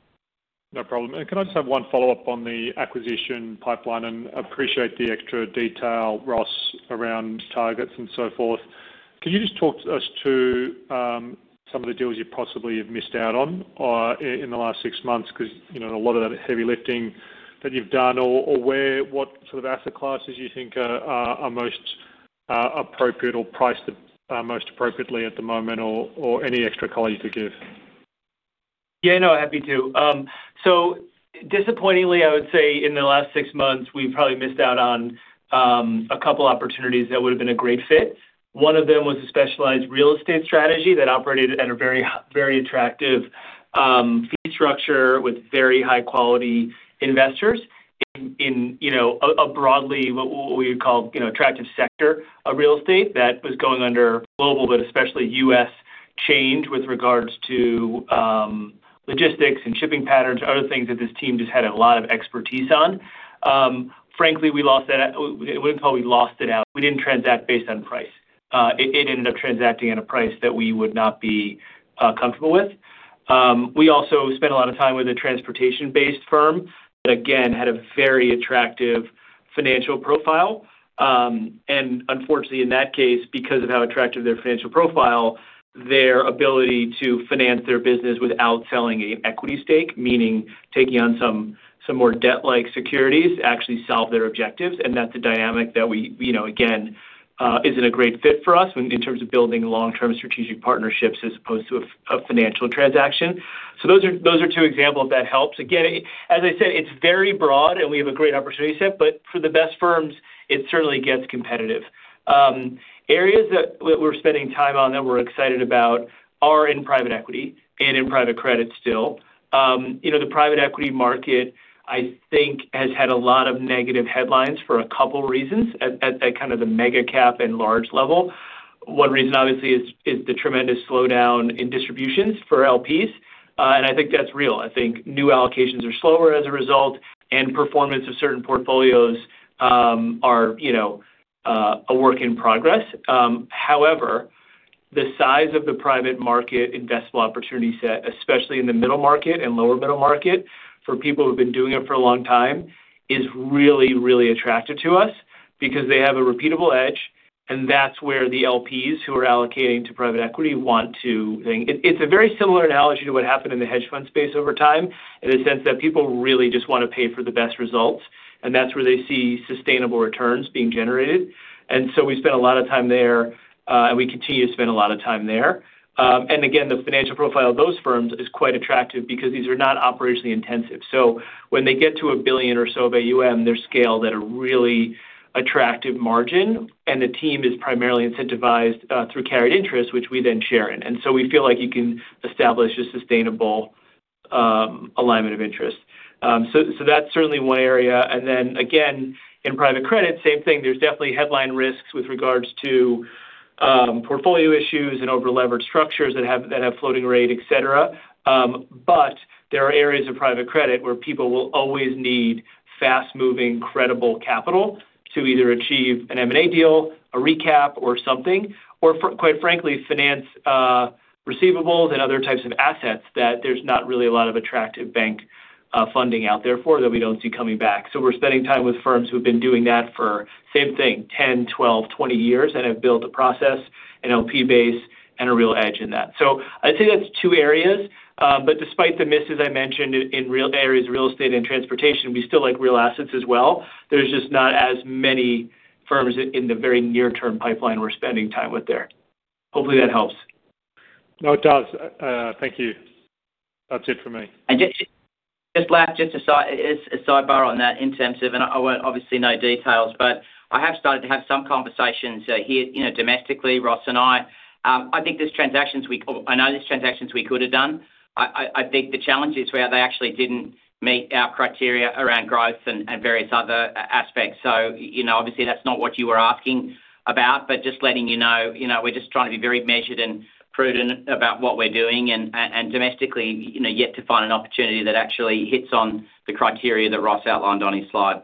No problem. Can I just have one follow-up on the acquisition pipeline? Appreciate the extra detail, Ross, around targets and so forth. Can you just talk to us to, some of the deals you possibly have missed out on, in the last 6 months? Because a lot of that heavy lifting that you've done or where, what sort of asset classes you think are, are, are most appropriate or priced most appropriately at the moment or any extra color you could give? Happy to. Disappointingly, I would say in the last six months, we've probably missed out on a couple opportunities that would have been a great fit. One of them was a specialized real estate strategy that operated at a very, very attractive fee structure with very high-quality investors in a broadly what we would call attractive sector of real estate that was going under global, but especially U.S. change with regards to logistics and shipping patterns, other things that this team just had a lot of expertise on. Frankly, we lost it. I wouldn't call we lost it out. We didn't transact based on price. It, it ended up transacting at a price that we would not be comfortable with. We also spent a lot of time with a transportation-based firm, which again, had a very attractive financial profile. Unfortunately, in that case, because of how attractive their financial profile was, their ability to finance their business without selling an equity stake, meaning taking on some, some more debt-like securities, actually solved their objectives. That's a dynamic that we again, isn't a great fit for us in, in terms of building long-term strategic partnerships as opposed to a financial transaction. Those are, those are two examples that helped. Again, as I said, it's very broad, and we have a great opportunity set, but for the best firms, it certainly gets competitive. Areas that, that we're spending time on that we're excited about are in private equity and in private credit still. The private equity market has had a lot of negative headlines for two reasons at the mega-cap and large level. One reason, obviously, is the tremendous slowdown in distributions for LPs, and I think that's real. I think new allocations are slower as a result, and performance of certain portfolios, are a work in progress. However, the size of the private market investable opportunity set, especially in the middle market and lower middle market, for people who have been doing it for a long time, is really, really attractive to us because they have a repeatable edge, and that's where the LPs who are allocating to private equity want to. It's a very similar analogy to what happened in the hedge fund space over time, in the sense that people really just want to pay for the best results, and that's where they see sustainable returns being generated. We spent a lot of time there, and we continue to spend a lot of time there. Again, the financial profile of those firms is quite attractive because these are not operationally intensive. When they get to $1 billion or so of AUM, they're scale at a really attractive margin, and the team is primarily incentivized, through carried interest, which we then share in. We feel like you can establish a sustainable alignment of interest. That's certainly one area. Then again, in private credit, same thing, there's definitely headline risks with regards to, portfolio issues and over-leveraged structures that have, that have floating rate, et cetera. There are areas of private credit where people will always need fast-moving, credible capital to either achieve an M&A deal, a recap, or something, or for, quite frankly, finance, receivables and other types of assets that there's not really a lot of attractive bank funding out there for that we don't see coming back. We're spending time with firms who've been doing that for the same thing, 10, 12, 20 years, and have built a process, an LP base, and a real edge in that. I'd say that's two areas. Despite the misses I mentioned in areas, real estate and transportation, we still like real assets as well. There's just not as many firms in the very near-term pipeline we're spending time with there. Hopefully, that helps. No, it does. Thank you. That's it for me. Just last a sidebar on that in terms of, and I won't obviously know details, but I have started to have some conversations, here domestically, Ross and I. There's transactions I know there's transactions we could have done. The challenges were they actually didn't meet our criteria around growth and various other aspects. Obviously, that's not what you were asking about, but just letting you know we're just trying to be very measured and prudent about what we're doing. And domestically yet to find an opportunity that actually hits on the criteria that Ross outlined on his slide.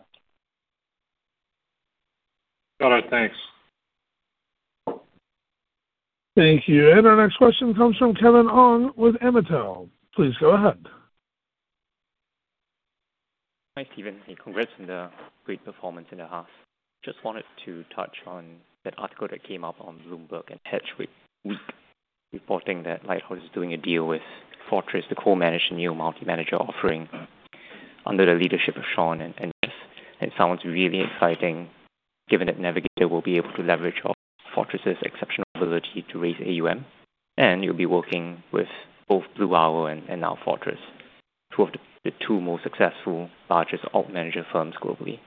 Got it. Thanks. Thank you. Our next question comes from Kevin Ong with Amitell. Please go ahead. Hi, Stephen, and congrats on the great performance in the house. Just wanted to touch on that article that came out on Bloomberg and Hedgeweek, reporting that Lighthouse is doing a deal with Fortress, the co-manager, new multi-manager offering under the leadership of Sean. It sounds really exciting, given that Navigator will be able to leverage off Fortress's exceptional ability to raise AUM, and you'll be working with both Blue Owl and now Fortress, two of the two most successful largest alt manager firms globally.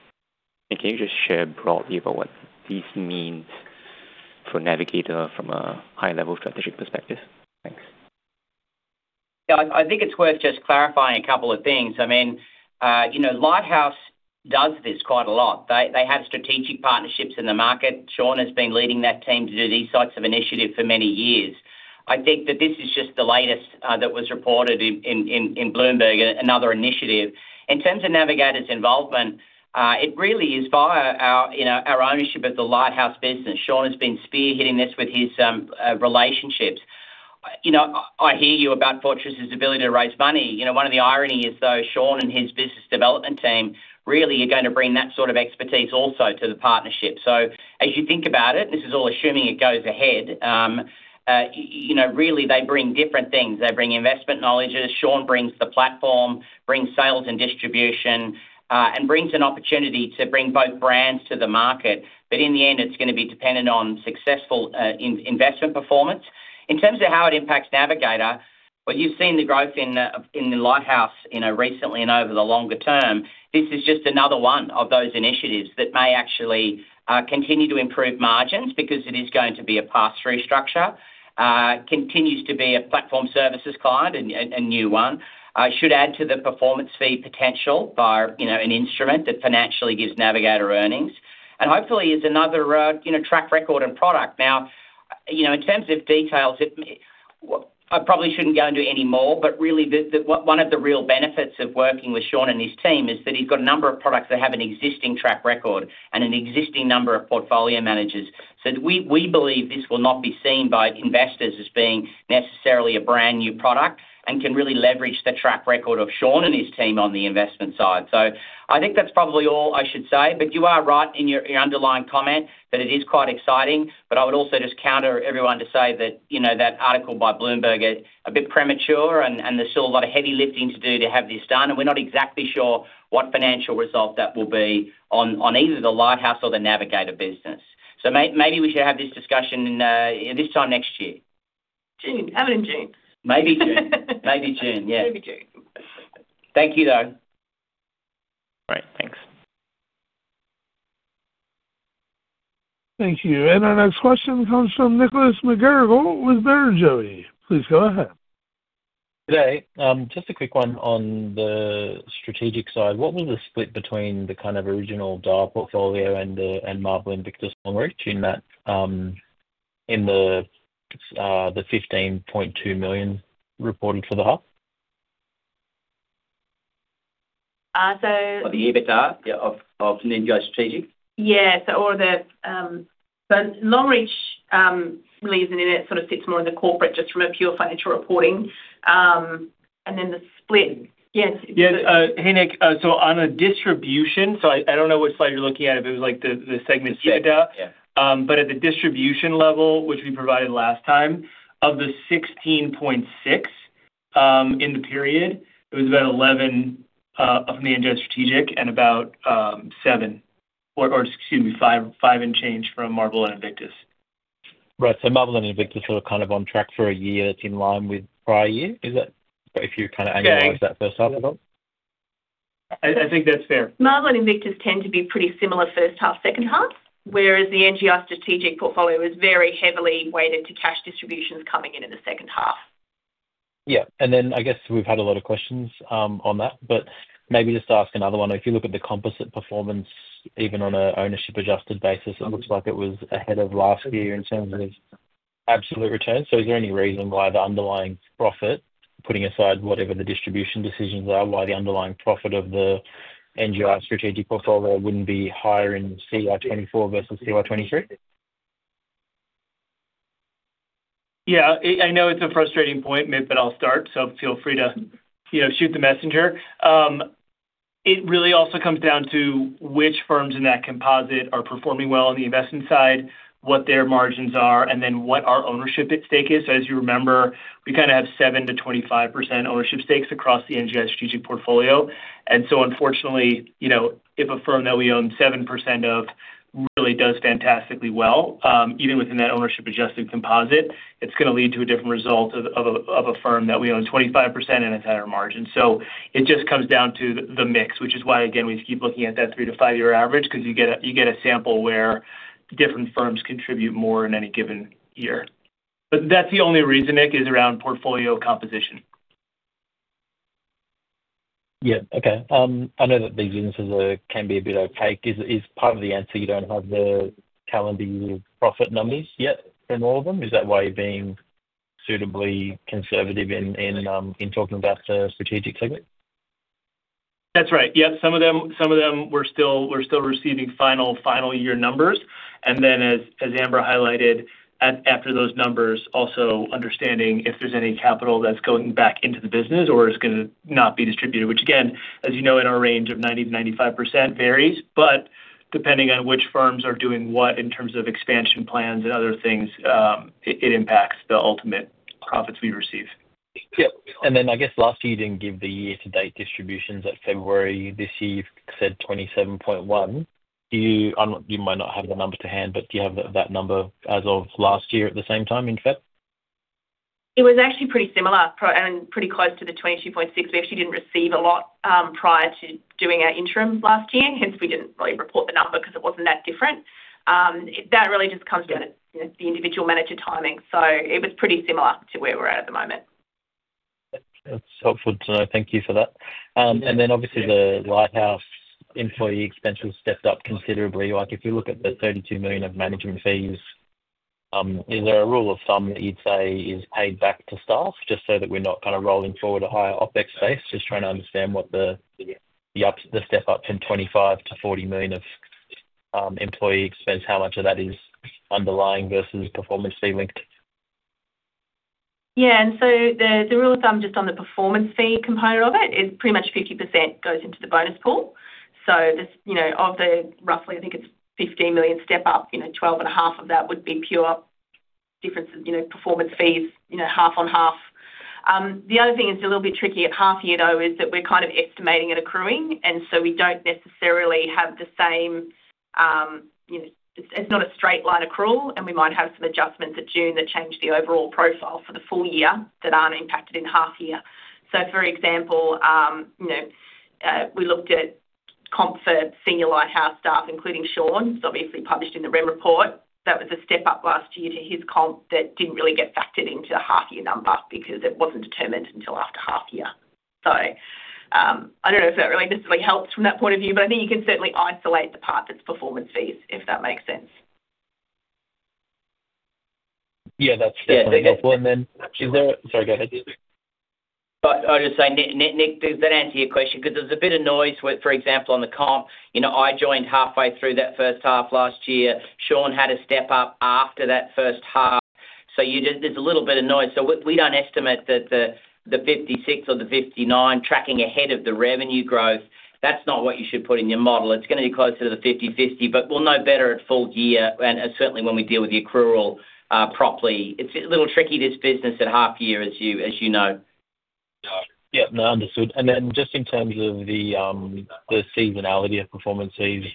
Can you just share broadly about what this means for Navigator from a high-level strategic perspective? Thanks. It's worth just clarifying a couple of things. Lighthouse does this quite a lot. They, they have strategic partnerships in the market. Sean has been leading that team to do these types of initiatives for many years. I think that this is just the latest that was reported in Bloomberg, another initiative. In terms of Navigator's involvement, it really is via our ownership of the Lighthouse business. Sean has been spearheading this with his relationships. I hear you about Fortress's ability to raise money. One of the irony is, though, Sean and his business development team, really are going to bring that sort of expertise also to the partnership. As you think about it, this is all assuming it goes ahead, you know, really they bring different things. They bring investment knowledges, Sean brings the platform, brings sales and distribution, and brings an opportunity to bring both brands to the market. In the end, it's gonna be dependent on successful in-investment performance. In terms of how it impacts Navigator, you've seen the growth in the Lighthouse, you know, recently and over the longer term, this is just another one of those initiatives that may actually continue to improve margins because it is going to be a pass-through structure, continues to be a Platform Services client, and, and a new one, should add to the performance fee potential by, you know, an instrument that financially gives Navigator earnings. Hopefully, is another track record and product. In terms of details, I probably shouldn't go into any more, but really one of the real benefits of working with Sean and his team is that he's got a number of products that have an existing track record and an existing number of portfolio managers. We believe this will not be seen by investors as being necessarily a brand-new product and can really leverage the track record of Sean and his team on the investment side. I think that's probably all I should say, but you are right in your, your underlying comment that it is quite exciting, but I would also just counter everyone to say that, you know, that article by Bloomberg is a bit premature, and there's still a lot of heavy lifting to do to have this done, and we're not exactly sure what financial result that will be on, on either the Lighthouse or the Navigator business. Maybe we should have this discussion this time next year. Have it in June. Maybe June. Thank you, though. All right, thanks. Thank you. Our next question comes from Nicholas McGarrigle with Barrenjoey. Please go ahead. G'day, just a quick one on the strategic side, what was the split between the kind of original Dyal portfolio and Marble and Invictus Longreach in that, in the 15.2 million reported for the half? Long reach, leaving in it, sort of fits more in the corporate, just from a pure financial reporting, and then the split. Yes. Nick, so on a distribution, I don't know which slide you're looking at, if it was, like, the segment split out. At the distribution level, which we provided last time, of the $16.6, in the period, it was about $11 of NGI Strategic and about $7 or, excuse me, $5 and change from Marble and Invictus. Right. Marble and Invictus are on track for a year that's in line with prior year, is it? If you kind of annualize that first half at all. Marble and Invictus tend to be pretty similar first half, second half, whereas the NGI Strategic portfolio is very heavily weighted to cash distributions coming in in the second half. Then I guess we've had a lot of questions on that, but maybe just ask another one. If you look at the composite performance, even on an ownership-adjusted basis, it looks like it was ahead of last year in terms of absolute returns. Is there any reason why the underlying profit, putting aside whatever the distribution decisions are, why the underlying profit of the NGI Strategic portfolio wouldn't be higher in CY 2024 versus CY 2023? It's a frustrating point, Nick, but I'll start, so feel free to shoot the messenger. It really also comes down to which firms in that composite are performing well on the investment side, what their margins are, and then what our ownership at stake is. As you remember, we have 7%-25% ownership stakes across the NGI Strategic portfolio. Unfortunately, if a firm that we own 7% of really does fantastically well, even within that ownership adjusted composite, it's gonna lead to a different result of a firm that we own 25% and it's at our margin. It just comes down to the mix, which is why, again, we keep looking at that 3-5 year average, because you get a sample where different firms contribute more in any given year. That's the only reason, Nick, that portfolio composition is around. Yeah. Okay. I know that these instances are, can be a bit opaque. Is part of the answer you don't have the calendar year profit numbers yet in all of them? Is that why you're being suitably conservative in talking about the strategic segment? That's right. Some of them we're still, we're still receiving final, final year numbers. As Amber highlighted, after those numbers, also understanding if there's any capital that's going back into the business or is gonna not be distributed, which again, as you know, in our range of 90%-95% varies, depending on which firms are doing what in terms of expansion plans and other things, it impacts the ultimate profits we receive. Yep. I guess last year, you didn't give the year-to-date distributions at February. This year, you've said 27.1. Do you, I'm not, you might not have the numbers to hand, but do you have that number as of last year at the same time in February? It was actually pretty similar, pretty close to the 22.6. We actually didn't receive a lot prior to doing our interim last year, hence we didn't really report the number because it wasn't that different. That really just comes down to the individual manager timing, so it was pretty similar to where we're at at the moment. That's helpful to know. Thank you for that. Then obviously, the Lighthouse employee expenses stepped up considerably. Like, if you look at the $32 million of management fees, is there a rule of thumb that you'd say is paid back to staff just so that we're not rolling forward a higher OpEx base? Just trying to understand what the step up from $25 million to $40 million of employee expense, how much of that is underlying versus performance fee linked? Yeah, the rule of thumb, just on the performance fee component of it, is pretty much 50% goes into the bonus pool. Just of the roughly, I think it's 15 million step up 12.5 million of that would be pure differences, you know, performance fees half on half. The other thing that's a little bit tricky at half year, though, is that we're kind of estimating and accruing, we don't necessarily have the same. It's not a straight line accrual, and we might have some adjustments at June that change the overall profile for the full year that aren't impacted in half year. For example, we looked at comp for senior Lighthouse staff, including Sean, it's obviously published in the rem report. That was a step up last year to his comp that didn't really get factored into the half-year number because it wasn't determined until after half year. I don't know if that really necessarily helps from that point of view, but I think you can certainly isolate the part that's performance fees, if that makes sense. Yeah, that's definitely helpful. I would just say, Nick, does that answer your question? There's a bit of noise where, for example, on the comp, you know, I joined halfway through that first half last year. Sean had a step up after that first half, there's a little bit of noise. We don't estimate that the 56 or the 59 tracking ahead of the revenue growth, that's not what you should put in your model. It's going to be closer to the 50/50, we'll know better at full year and certainly when we deal with the accrual properly. It's a little tricky, this business at half year, as you, as you know. Yeah. No, understood. Just in terms of the seasonality of performance fees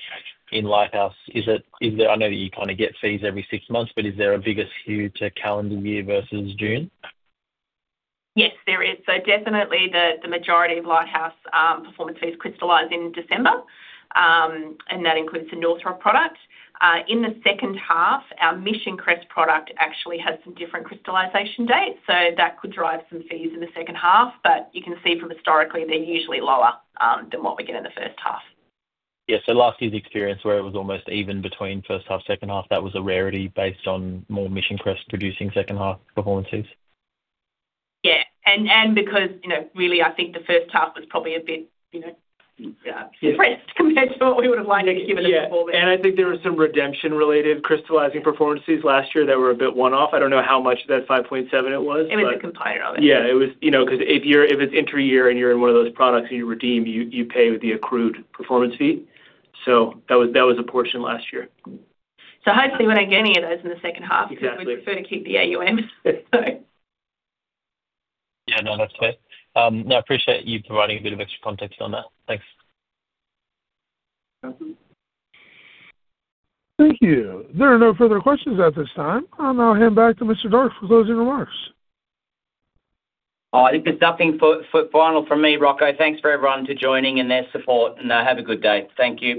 in Lighthouse, I know that you kind of get fees every six months, but is there a bigger skew to calendar year versus June? Yes, there is. Definitely the majority of Lighthouse performance fees crystallize in December, and that includes the North Rock product. In the second half, our Mission Crest product actually has some different crystallization dates, so that could drive some fees in the second half, but you can see from historically, they're usually lower than what we get in the first half. Yeah, last year's experience, where it was almost even between first half, second half, that was a rarity based on more Mission Crest producing second half performance fees? Yeah, and because, you know, really, I think the first half was probably a bit, you know, pressed compared to what we would have liked given the performance. There was some redemption-related crystallizing performance fees last year that were a bit one-off. I don't know how much of that $5.7 billion it was. It was a component of it. It was 'cause if it's inter year and you're in one of those products and you redeem, you pay the accrued performance fee. That was, that was a portion last year. Hopefully, we don't get any of those in the second half. 'Cause we prefer to keep the AUM. No, that's great. I appreciate you providing a bit of extra context on that. Thanks. Thank you. There are no further questions at this time. I'll now hand back to Mr. Darke for closing remarks. Oh, I think there's nothing for, for final from me, Rocco. Thanks for everyone to joining and their support, and, have a good day. Thank you.